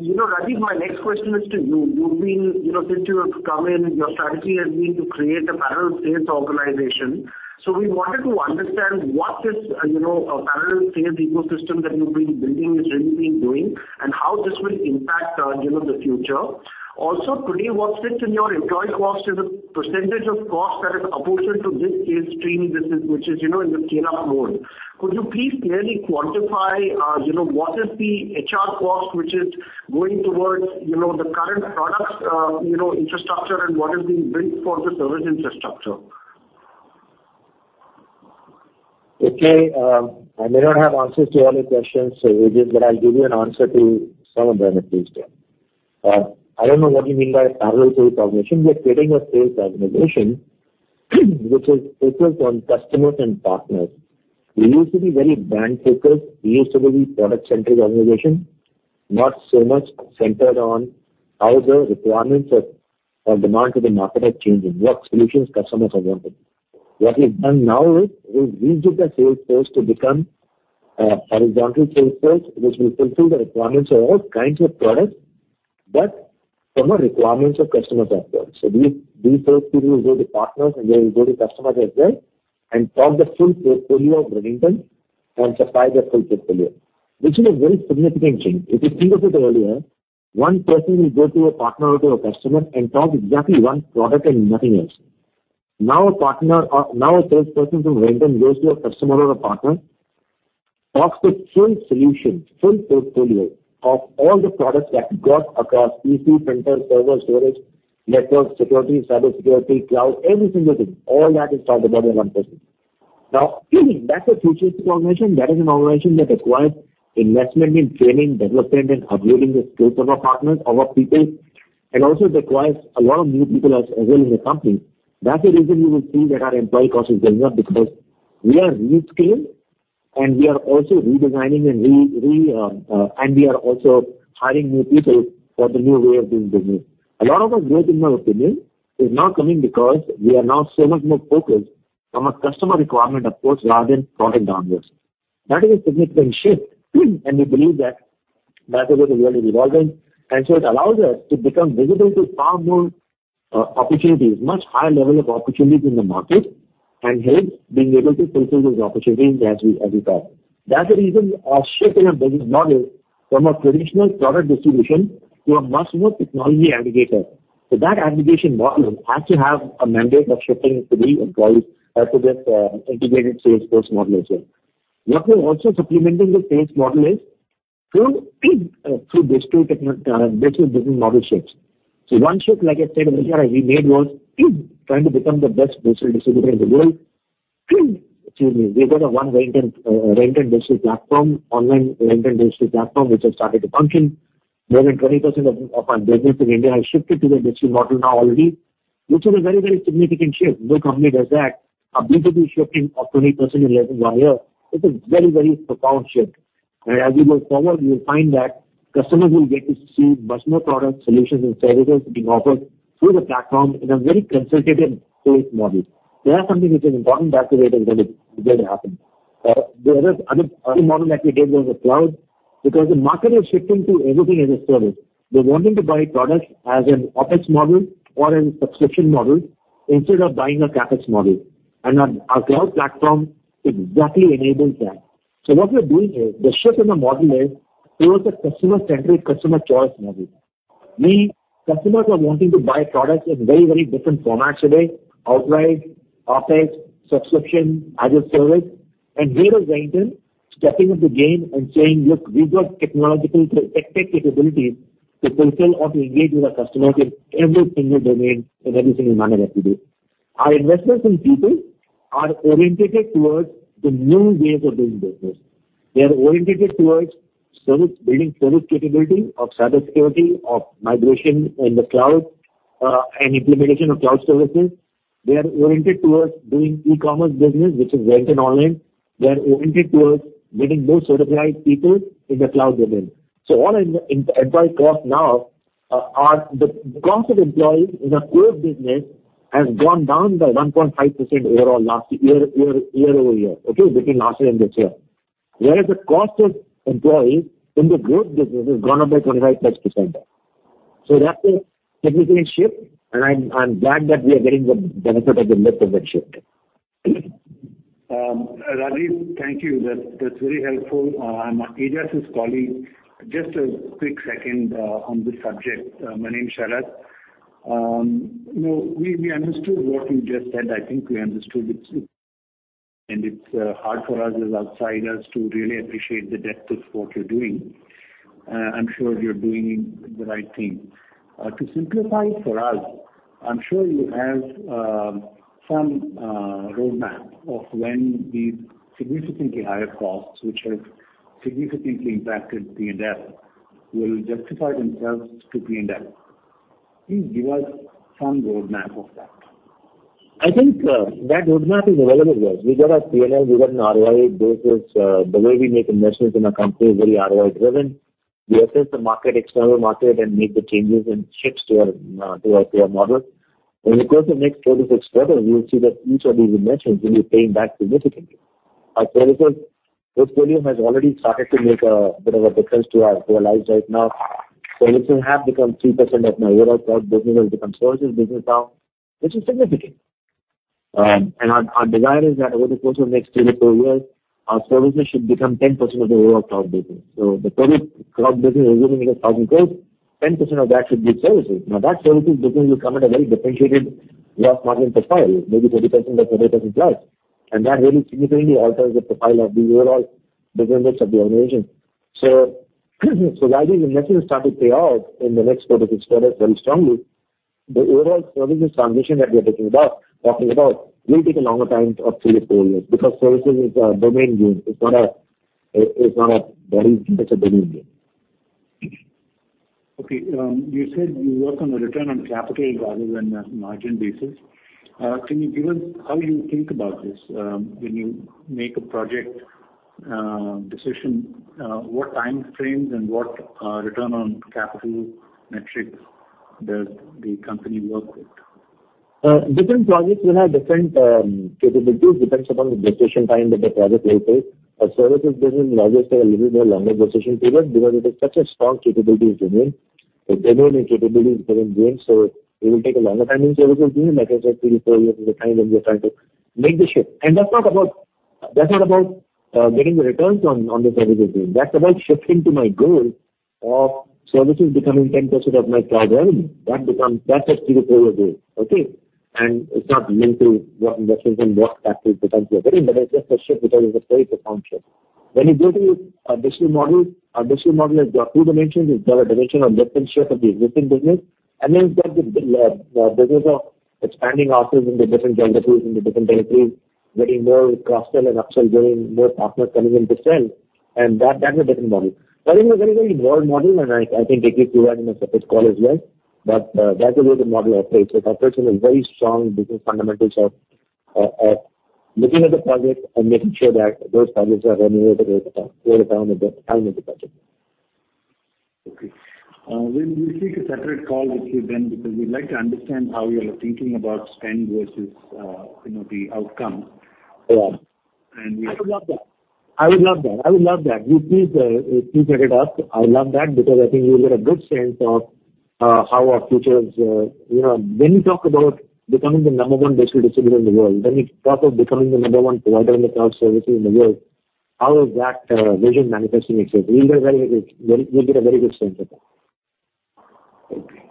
you know, Rajiv, my next question is to you. You've been, you know, since you have come in, your strategy has been to create a parallel sales organization. We wanted to understand what this, you know, parallel sales ecosystem that you've been building has really been doing, and how this will impact, you know, the future. Today, what sits in your employee cost is a % of cost that is opposite to this sales team, which is, which is, you know, in the clean-up mode. Could you please clearly quantify, you know, what is the HR cost, which is going towards, you know, the current products, infrastructure and what is being built for the service infrastructure? Okay, I may not have answers to all your questions, Aejas, but I'll give you an answer to some of them at least here. I don't know what you mean by a parallel sales organization. We are creating a sales organization which is focused on customers and partners. We used to be very brand focused. We used to be product-centric organization, not so much centered on how the requirements or demand to the market are changing, what solutions customers are wanting. What we've done now is, we've built the sales force to become, for example, sales force, which will fulfill the requirements of all kinds of products, but from the requirements of customers as well. These sales people will go to partners, and they will go to customers as well, and talk the full portfolio of Redington and supply the full portfolio. This is a very significant change. If you think of it earlier, one person will go to a partner or to a customer and talk exactly one product and nothing else. Now, a salesperson from Redington goes to a customer or a partner, talks the full solution, full portfolio of all the products we have got across PC, printer, server, storage, network, security, cybersecurity, cloud, every single thing. All that is talked about by one person. Now, that's a futuristic organization. That is an organization that requires investment in training, development, and upgrading the skills of our partners, of our people, and also requires a lot of new people as well in the company. That's the reason you will see that our employee cost is going up, because we are reskilling, and we are also redesigning and... We are also hiring new people for the new way of doing business. A lot of our growth, in my opinion, is now coming because we are now so much more focused on our customer requirement, of course, rather than product onwards. That is a significant shift, and we believe that that is what is really rewarding. It allows us to become visible to far more opportunities, much higher level of opportunities in the market, and hence, being able to fulfill those opportunities as we, as we talk. That's the reason we are shifting our business model from a traditional product distribution to a much more technology aggregator. That aggregation model has to have a mandate of shifting to the employees, to this integrated sales force model as well. What we're also supplementing the sales model is through business model shifts. One shift, like I said earlier, we made was trying to become the best digital distributor in the world. Excuse me. We've got a one Redington, Redington digital platform, Redington Online digital platform, which has started to function. More than 20% of our business in India has shifted to the digital model now already, which is a very, very significant shift. No company does that. A B2B shifting of 20% in less than one year, it's a very, very profound shift. As we go forward, you'll find that customers will get to see much more product solutions and services being offered through the platform in a very consultative sales model. That's something which is important to us, to make it really happen. The other, other, other model that we did was the cloud. Because the market is shifting to everything as a service. They're wanting to buy products as an OpEx model or a subscription model instead of buying a CapEx model, and our, our cloud platform exactly enables that. What we're doing here, the shift in the model is towards a customer-centric, customer choice model. Customers are wanting to buy products in very, very different formats today: outright, OpEx, subscription, as a service. We as Redington, stepping up the game and saying, "Look, we've got technological tech capabilities to fulfill or to engage with our customers in every single domain, in every single manner that we do." Our investments in people are orientated towards the new ways of doing business. They are orientated towards service, building service capability of cybersecurity, of migration in the cloud, and implementation of cloud services. They are oriented towards doing e-commerce business, which is Wipro Online. They are oriented towards getting more certified people in the cloud domain. All in, in employee cost now the cost of employees in our core business has gone down by 1.5% overall last year, year-over-year, okay? Between last year and this year. Whereas the cost of employees in the growth business has gone up by 25+%. That's a significant shift, and I'm, I'm glad that we are getting the benefit of the lift of that shift. Rajiv, thank you. That's, that's very helpful. I'm Aejas's colleague. Just a quick second on this subject. My name is Sharad. You know, we, we understood what you just said. I think we understood it, and it's hard for us as outsiders to really appreciate the depth of what you're doing. I'm sure you're doing the right thing. To simplify for us, I'm sure you have some roadmap of when the significantly higher costs, which have significantly impacted P&L, will justify themselves to P&L. Please give us some roadmap of that. I think that roadmap is available to us. We've got our P&L, we've got an ROI basis. The way we make investments in our company is very ROI-driven. We assess the market, external market, and make the changes and shifts to our to our model. Of course, the next 36 quarters, you will see that each of these investments will be paying back significantly. Our services portfolio has already started to make a bit of a difference to our lives right now. Services have become 3% of my overall cloud business, has become services business now, which is significant. Our, our desire is that over the course of the next three to four years, our services should become 10% of the overall cloud business. The total cloud business is going to be 1,000 crore, 10% of that should be services. That services business will come at a very differentiated gross margin profile, maybe 30% or 35%, and that really significantly alters the profile of the overall business of the organization. While the investments start to pay off in the next quarter to quarter very strongly, the overall services transition that we are talking about will take a longer time of three-four years, because services is a domain game. It's not a very, it's a domain game. Okay. You said you work on a return on capital rather than a margin basis. Can you give us how you think about this? When you make a project decision, what time frames and what return on capital metrics does the company work with? Different projects will have different capabilities, depends upon the gestation time that the project will take. Our services business projects have a little bit longer gestation period, because it is such a strong capabilities domain. It's everything capabilities domain, so it will take a longer time in services domain, like I said, three to four years is the time that we are trying to make the shift. That's not about, that's not about getting the returns on, on the services domain. That's about shifting to my goal of services becoming 10% of my cloud revenue. That's a three to four year goal, okay? It's not linked to what investments and what capital becomes relevant, but it's just a shift because it's a very profound shift. When you go to a digital model, a digital model has got two dimensions. It's got a dimension of different shape of the existing business, and then it's got the, the business of expanding outwards into different geographies, into different territories, getting more cross-sell and up-sell, getting more partners coming in to sell, and that, that's a different model. It's a very, very broad model, and I, I think I gave you that in the first call as well. That's the way the model operates. It operates in a very strong business fundamentals of, looking at the project and making sure that those projects are running over the, over the time of the, time of the project. Okay. We'll take a separate call with you then, because we'd like to understand how you are thinking about spend versus, you know, the outcome. Yeah. And we- I would love that. I would love that. I would love that. We please, please set it up. I would love that, because I think you'll get a good sense of how our future is... You know, when we talk about becoming the number one digital distributor in the world, when we talk of becoming the number one provider in the cloud services in the world, how is that vision manifesting itself? You'll get a very, very good sense of that. Okay.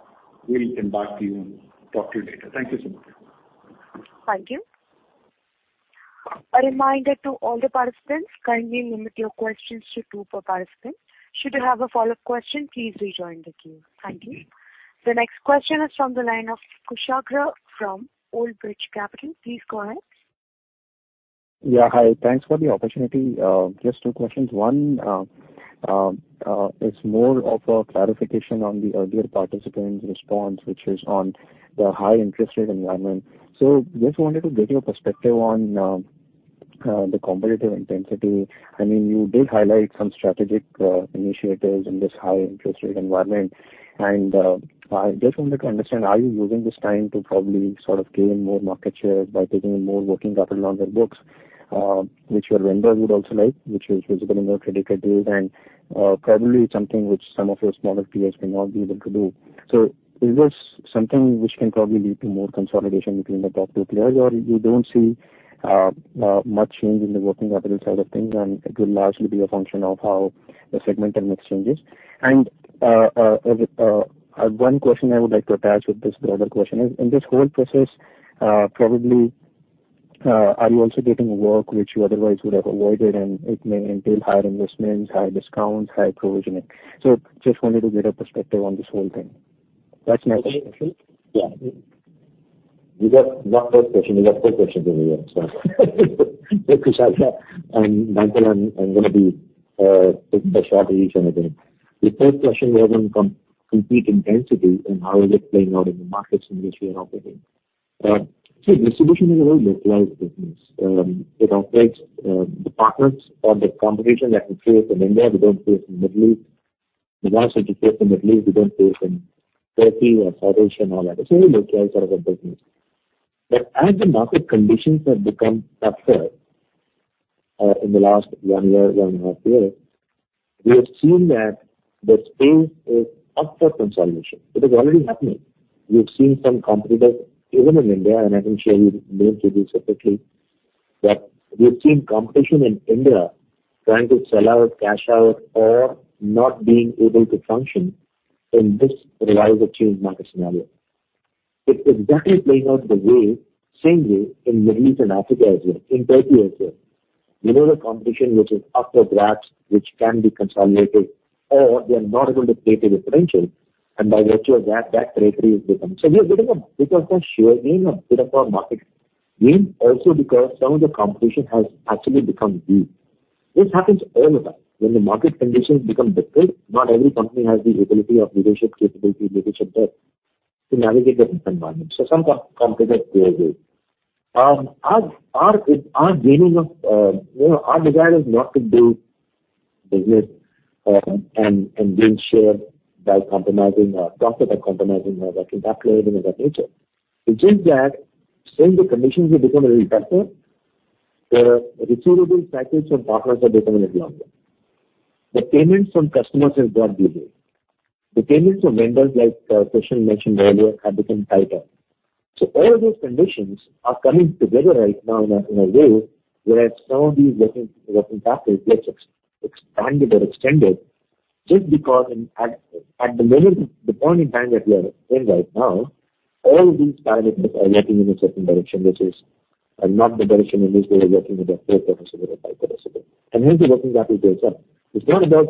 We'll get back to you and talk to you later. Thank you so much. Thank you. A reminder to all the participants, kindly limit your questions to two per participant. Should you have a follow-up question, please rejoin the queue. Thank you. The next question is from the line of Kushagra from Old Bridge Capital. Please go ahead. Yeah, hi. Thanks for the opportunity. Just two questions. One, is more of a clarification on the earlier participant's response, which is on the high interest rate environment. Just wanted to get your perspective on the competitive intensity. I mean, you did highlight some strategic initiatives in this high interest rate environment, I just wanted to understand, are you using this time to probably sort of gain more market share by taking in more working capital on the books, which your vendor would also like, which is visible in your credit card deal, probably something which some of your smaller peers may not be able to do? Is this something which can probably lead to more consolidation between the top two players, or you don't see much change in the working capital side of things, and it will largely be a function of how the segment and mix changes? One question I would like to attach with this broader question is, in this whole process, probably, are you also getting work which you otherwise would have avoided, and it may entail higher investments, higher discounts, higher provisioning? Just wanted to get a perspective on this whole thing. That's my first question. Yeah. You got one first question, you got four questions over here, Michael, I'm gonna be taking a shot at each one of them. The first question was on complete intensity and how is it playing out in the markets in which we are operating. Distribution is a very localized business. It operates departments or the competition that we face in India, we don't face in Middle East. The ones which we face in Middle East, we don't face in Turkey or Southeast and all that. It's a very localized sort of a business. As the market conditions have become tougher, in the last one year, one and a half year, we have seen that the space is up for consolidation. It is already happening. We've seen some competitors, even in India, I can share you names with you separately, that we've seen competition in India trying to sell out, cash out, or not being able to function in this relatively market scenario. It's exactly playing out the way, same way, in Middle East and Africa as well, in Turkey as well. You know, the competition which is up for grabs, which can be consolidated, or they are not able to pay their differentials, and by virtue of that, that criteria is becoming. We are getting a, because of share gain or bit of our market gain, also because some of the competition has actually become weak. This happens all the time. When the market conditions become difficult, not every company has the ability or leadership capability, leadership there, to navigate a different environment, so some competitors go away. Our, our, our gaining of, you know, our desire is not to do business, and, and gain share by compromising our profit, or compromising our impact loading of that nature. It's just that since the conditions have become a little better, the receivable cycles from partners are becoming a little longer. The payments from customers have got delayed. The payments from vendors, like Prashant mentioned earlier, have become tighter. All of those conditions are coming together right now in a, in a way where some of these working, working capital gets expanded or extended, just because in at, at the moment, the point in time that we are in right now, all these parameters are working in a certain direction, which is not the direction in which they were working with a 4% or a 5%. Hence, the working capital goes up. It's not about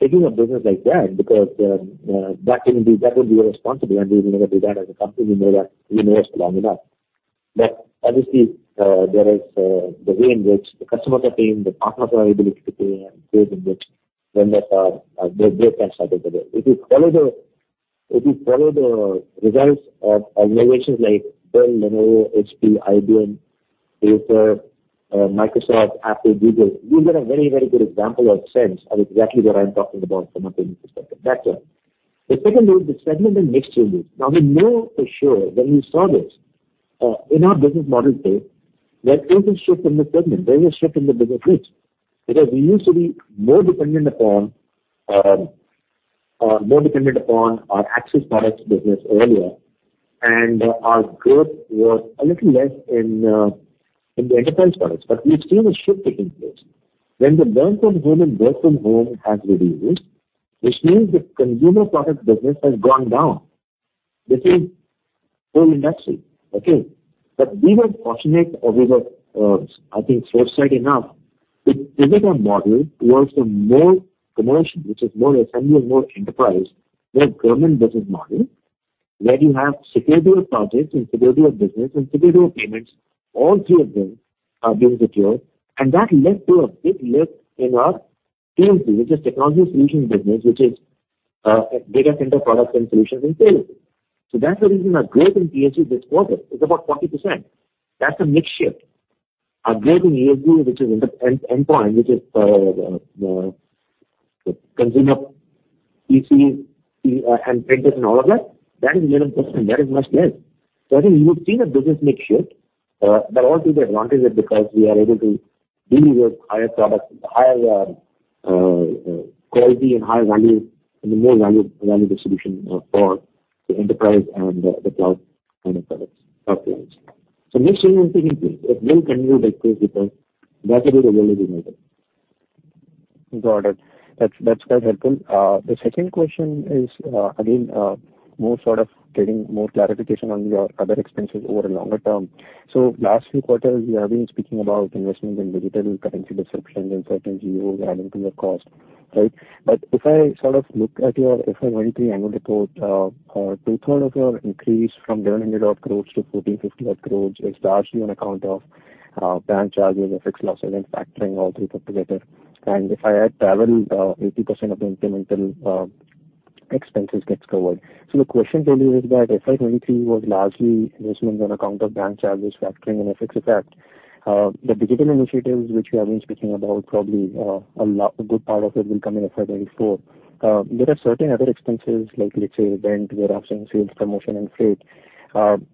taking a business like that, because that would be irresponsible, and we would never do that as a company. We know that, we know us long enough. Obviously, there is the way in which the customer are paying, the partner ability to pay, and way in which vendors are, they can start with it. If you follow the, if you follow the results of organizations like Dell, Lenovo, HP, IBM, Acer, Microsoft, Apple, Google, you'll get a very, very good example of sense of exactly what I'm talking about from a payment perspective. That's one. The second one, the segment and mix changes. We know for sure when we saw this, in our business model today, there is a shift in the segment. There is a shift in the business mix. Because we used to be more dependent upon more dependent upon our Axis Communications products business earlier, and our growth was a little less in the enterprise products, we've seen a shift taking place. When the learn from home and work from home has reduced, which means the consumer product business has gone down. This is whole industry, okay? We were fortunate or we were, I think, foresight enough to pivot our model towards the more commercial, which is more SME and more enterprise, more government business model, where you have security of projects and security of business and security of payments, all three of them are being secured. That led to a big lift in our TSG, which is technology solution business, which is data center products and solutions and services. That's the reason our growth in TSG this quarter is about 40%. That's a mix shift. Our growth in ASU, which is end point, which is consumer PC and printers and all of that, that is much less. I think you've seen a business mix shift, but all to the advantage of it, because we are able to deliver higher products, higher quality and higher value, and a more value, value distribution for the enterprise and the cloud kind of products, offerings. Next thing will take place. It will continue like this because that is the reality market. Got it. That's, that's quite helpful. The second question is, again, more sort of getting more clarification on your other expenses over a longer term. Last few quarters, you have been speaking about investments in digital currency disruptions and certain geos adding to your cost, right? If I sort of look at your -- if I went through your annual report, two-third of your increase from 700 odd crore to 1,450 odd crore, is largely on account of bank charges or forex losses and factoring all three put together. If I add travel, 80% of the incremental expenses gets covered. The question really is that FY 2023 was largely investment on account of bank charges, factoring, and FX effect. The digital initiatives, which we have been speaking about, probably, a good part of it will come in FY 2024. There are certain other expenses, like, let's say, rent, warehouse, and sales, promotion, and freight,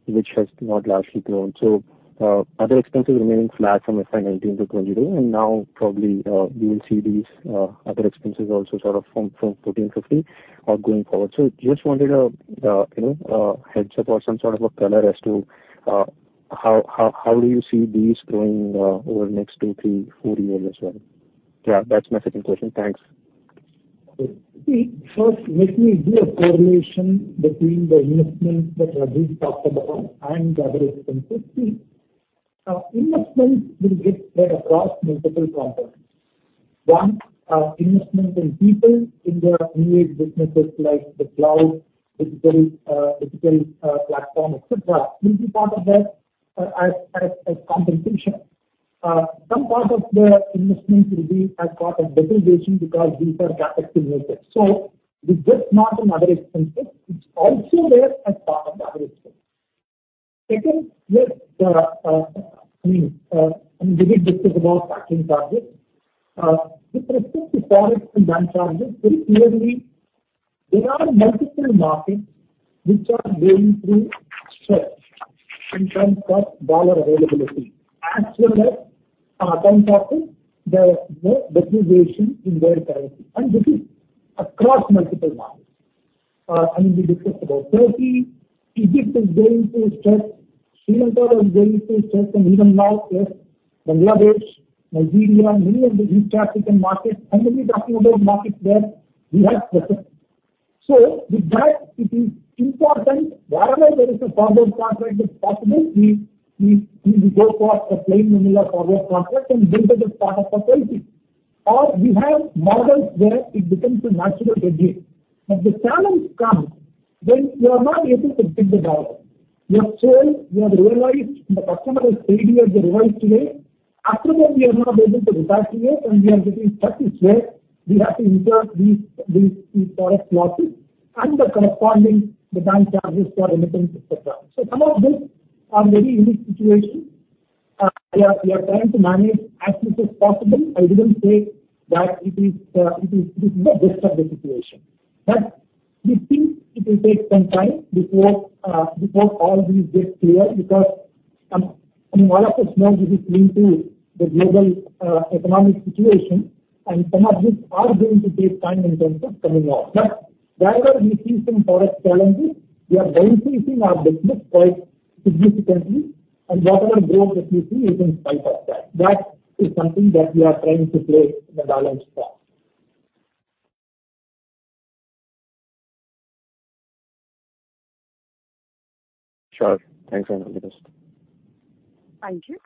which has not largely grown. Other expenses remaining flat from FY 2019-2022, and now probably, we will see these other expenses also sort of from, from 14, 15, going forward. Just wanted a, you know, a heads-up or some sort of a color as to how, how, how do you see these growing over the next two, three, four years as well? Yeah, that's my second question. Thanks. Okay. First, let me do a correlation between the investments that Rajiv talked about and the other expenses. Investments will get spread across multiple components. One, investment in people in their new age businesses like the cloud, digital, digital, platform, et cetera, will be part of that, as, as, as compensation. Some part of the investment will be as part of depreciation because these are capital invested. It's just not in other expenses, it's also there as part of the other expense. Second, yes, I mean, we did discuss about factoring charges. With respect to forex and bank charges, very clearly, there are multiple markets which are going through stress in terms of dollar availability, as well as, in terms of the, the depreciation in their currency, and this is across multiple markets. I mean, we discussed about Turkey, Egypt is going through a stress, Sri Lanka was going through a stress. Even now, yes, Bangladesh, Nigeria, and many of the East African markets, I'm only talking about markets where we have presence. With that, it is important, wherever there is a forward contract, it's possible we go for a plain vanilla forward contract. Then that is part of the policy. We have models where it becomes a natural hedge. The challenge comes when you are not able to the U.S. dollar. You have sold, you have realized, the customer has paid you as the realized today. After that, we are not able to repatriate. We are getting stuck in where we have to incur these product losses and the corresponding, the bank charges for remittance, et cetera. Some of these are very unique situation. We are, we are trying to manage as much as possible. I didn't say that it is, it is, it is the best of the situation. We think it will take some time before, before all these get clear, because, I mean, all of us know this is linked to the global, economic situation, and some of these are going to take time in terms of coming out. Wherever we see some product challenges, we are downsizing our business quite significantly, and whatever growth that you see is in spite of that. That is something that we are trying to play in the balance part. Sure. Thanks, Anup, for this. Thank you.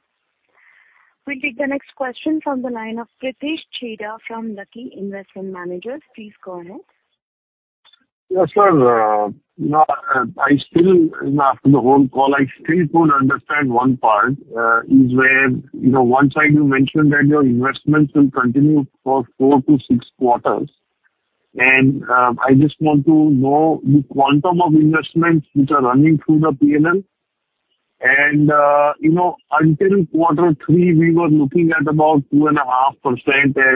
We'll take the next question from the line of Pritesh Chheda from Lucky Investment Managers. Please go ahead. Yes, sir. Now, I still, after the whole call, I still don't understand one part, is where, you know, one side you mentioned that your investments will continue for 4-6 quarters. I just want to know the quantum of investments which are running through the P&L. You know, until Q3, we were looking at about 2.5%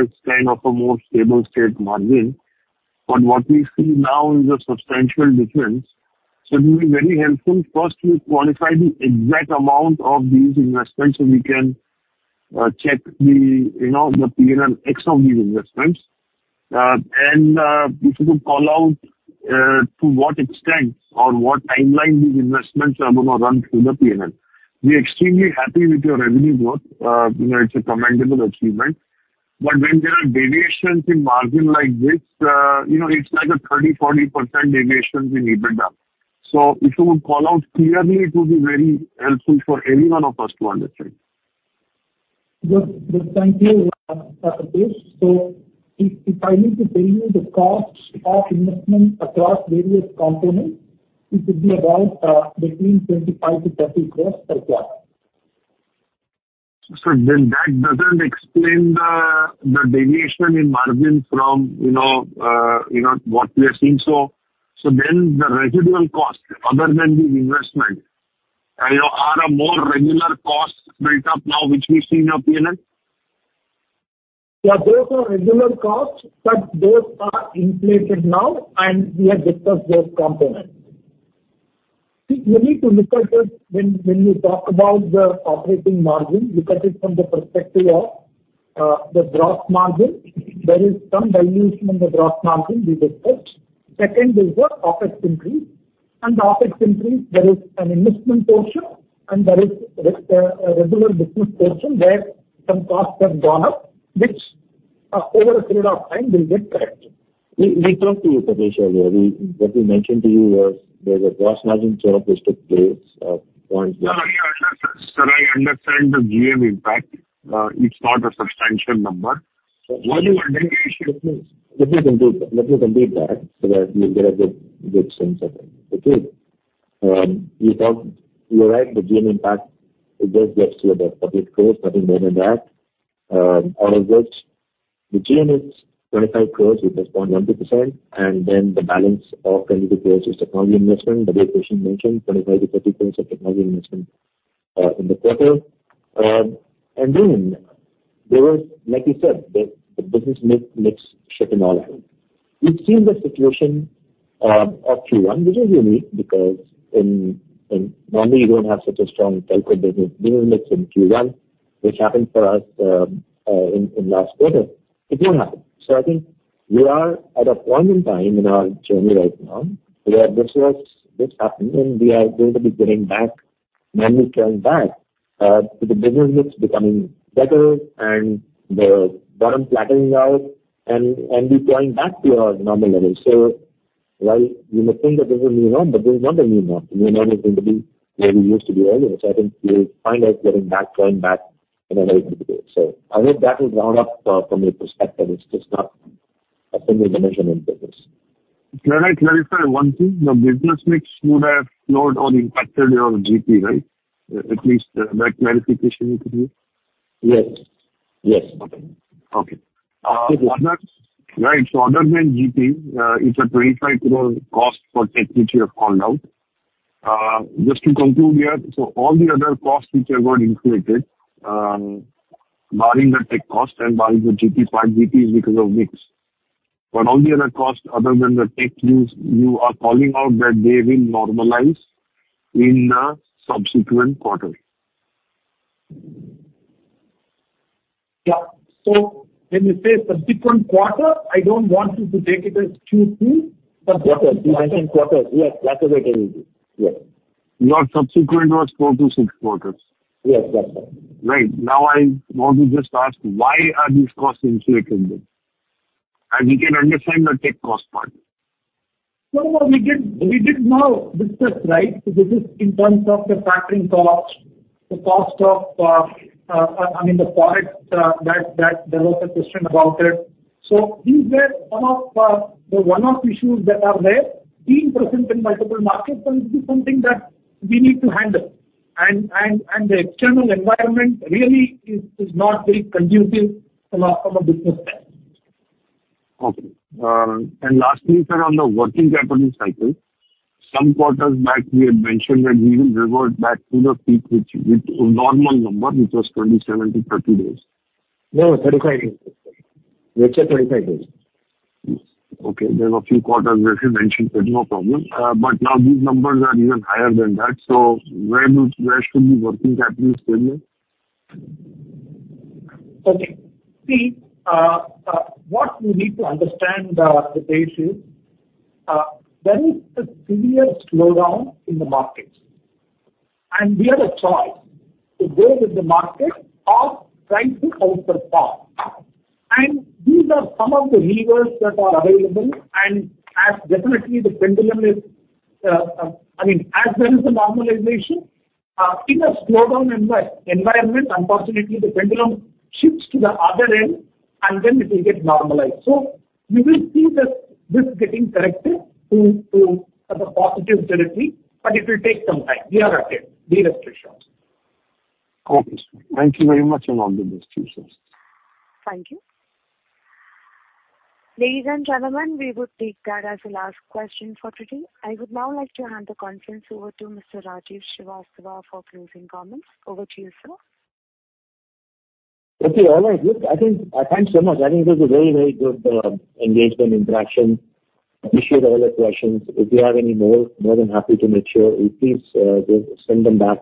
as kind of a more stable state margin. But what we see now is a substantial difference. So it will be very helpful, first, you quantify the exact amount of these investments, so we can check the, you know, the P&L ex- of these investments. If you could call out to what extent or what timeline these investments are gonna run through the P&L. We're extremely happy with your revenue growth. You know, it's a commendable achievement. When there are deviations in margin like this, you know, it's like a 30%-40% deviations in EBITDA. If you would call out clearly, it would be very helpful for any one of us to understand. Yes. Yes, thank you, Pritesh. If, if I need to tell you the costs of investment across various components, it would be about, between 25 crore-30 crore per quarter. That doesn't explain the, the deviation in margins from, you know, you know, what we are seeing. The residual costs, other than the investment, you know, are a more regular cost built up now, which we see in your P&L? Yeah, those are regular costs, but those are inflated now, and we have discussed those components. See, you need to look at it when, when you talk about the operating margin, look at it from the perspective of the gross margin. There is some dilution in the gross margin we discussed. Second is the OpEx increase. The OpEx increase, there is an investment portion, and there is a regular business portion, where some costs have gone up, which over a period of time, will get corrected. We, we talked to you, Pritesh, earlier. What we mentioned to you was there's a gross margin turn-up, which took place, points-. Sir, I understand the GM impact. It's not a substantial number. What you are then saying- Let me, let me complete, let me complete that, so that you get a good, good sense of it. Okay? You talked, you're right, the GM impact, it does get to about INR 30 crore, INR 30 million, that, out of which the GM is 25 crore, which is 0.12%, then the balance of 20 crore is technology investment, the way Krishnan mentioned, 25%-30% of technology investment in the quarter. Then there was, like you said, the business mix shifting all around. We've seen this situation of Q1, which is unique because normally you don't have such a strong telco business. This is mixed in Q1, which happened for us in last quarter. It will happen. I think we are at a point in time in our journey right now, where this was, this happened, and we are going to be getting back, normally going back to the business mix becoming better and the bottom flattening out and, and we going back to our normal levels. While you may think that this is a new norm, but this is not a new norm. The new norm is going to be where we used to be earlier. I think you'll find us getting back, going back in a very good way. I hope that will round up from your perspective. It's just not a single dimension in business. Can I clarify one thing? The business mix would have flowed or impacted your GP, right? At least, that clarification you could give. Yes. Yes. Okay. Right, other than GP, it's an INR 25 crore cost for tech, which you have called out. Just to conclude here, all the other costs which have got inflated, barring the tech cost and barring the GP, 5 bps because of mix. All the other costs other than the tech use, you are calling out that they will normalize in a subsequent quarter? Yeah. When you say subsequent quarter, I don't want you to take it as Q2. Quarter. We mentioned quarter. Yes, that's the way it is. Yes. Your subsequent was four to six quarters. Yes, that's right. Right. Now, I want to just ask, why are these costs inflated then? As we can understand the tech cost part. No, no, we did, we did now discuss, right? This is in terms of the factoring costs, the cost of, I mean, the products, that, that there was a question about it. These were some of, the one-off issues that are there, being present in multiple markets and this is something that we need to handle. The external environment really is, is not very conducive from a, from a business stand. Okay. Lastly, sir, on the working capital cycle, some quarters back, we had mentioned that we will revert back to the peak, which is a normal number, which was 27-30 days. No, 35 days. Which are 35 days. Okay. There were a few quarters where we mentioned it, no problem. Now these numbers are even higher than that, so where would, where should be working capital stable? Okay. See, what we need to understand, the case is, there is a serious slowdown in the markets, and we have a choice to go with the market or try to outperform. These are some of the levers that are available, as definitely the pendulum is, I mean, as there is a normalization, in a slowdown environment, unfortunately, the pendulum shifts to the other end, and then it will get normalized. We will see this, this getting corrected to as a positive territory, but it will take some time. We are okay. Be rest assured. Okay, sir. Thank you very much. All the best to you, sir. Thank you. Ladies and gentlemen, we would take that as the last question for today. I would now like to hand the conference over to Mr. Rajiv Srivastava for closing comments. Over to you, sir. Okay, all right. Look, I think, thanks so much. I think this is a very, very good engagement, interaction. Appreciate all the questions. If you have any more, more than happy to make sure you please do send them back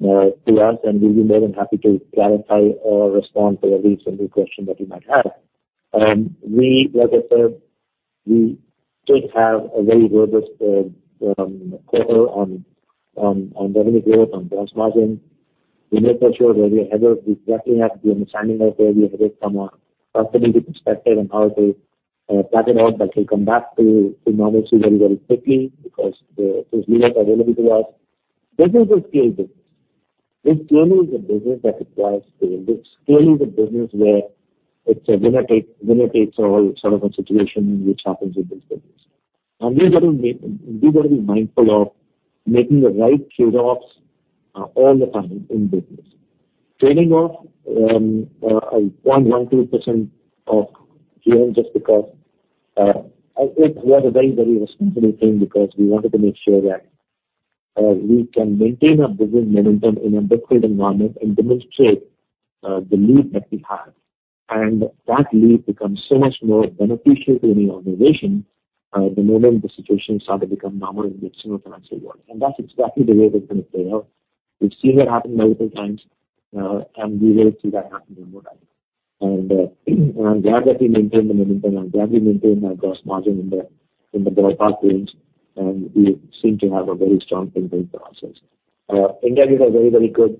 to us, and we'll be more than happy to clarify or respond to at least every question that you might have. We, like I said, we did have a very robust quarter on, on, on revenue growth, on gross margin. We made sure where we are headed. We exactly have the understanding of where we are headed from a profitability perspective and how to plan it out. We'll come back to, to normalcy very, very quickly because the, there's levers available to us. This is a scale business. This clearly is a business that requires scale. It's clearly the business where it's a winner-takes-all sort of a situation which happens in this business. We've got to be, we've got to be mindful of making the right trade-offs, all the time in business. Trading off, 0.12% of GM, just because, it was a very, very responsible thing, because we wanted to make sure that, we can maintain our business momentum in a difficult environment and demonstrate, the lead that we have. That lead becomes so much more beneficial to any organization, the moment the situation start to become normal in the external financial world. That's exactly the way it is going to play out. We've seen that happen multiple times, and we will see that happen one more time. I'm glad that we maintained the momentum. I'm glad we maintained our gross margin in the, in the ballpark range, and we seem to have a very strong inventory process. India is a very, very good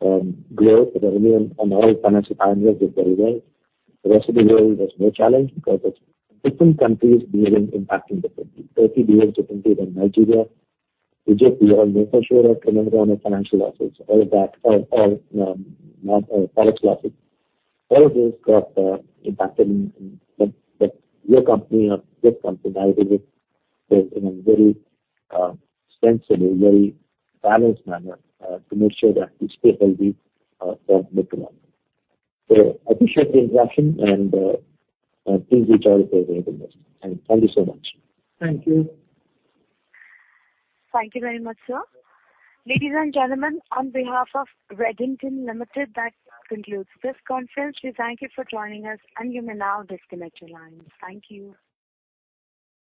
growth. The revenue on all financial parameters did very well. The rest of the world was more challenged because it's different countries behaving, impacting differently. Turkey behaves differently than Nigeria, Egypt. We are making sure that we don't run a financial losses or that or not product losses. All of those got impacted in, in the, the company or this company. I think it is in a very sensibly, very balanced manner to make sure that we stay healthy for the future. Appreciate the interaction, and please reach out if there are any questions. Thank you so much. Thank you. Thank you very much, sir. Ladies and gentlemen, on behalf of Redington Limited, that concludes this conference. We thank you for joining us, and you may now disconnect your lines. Thank you.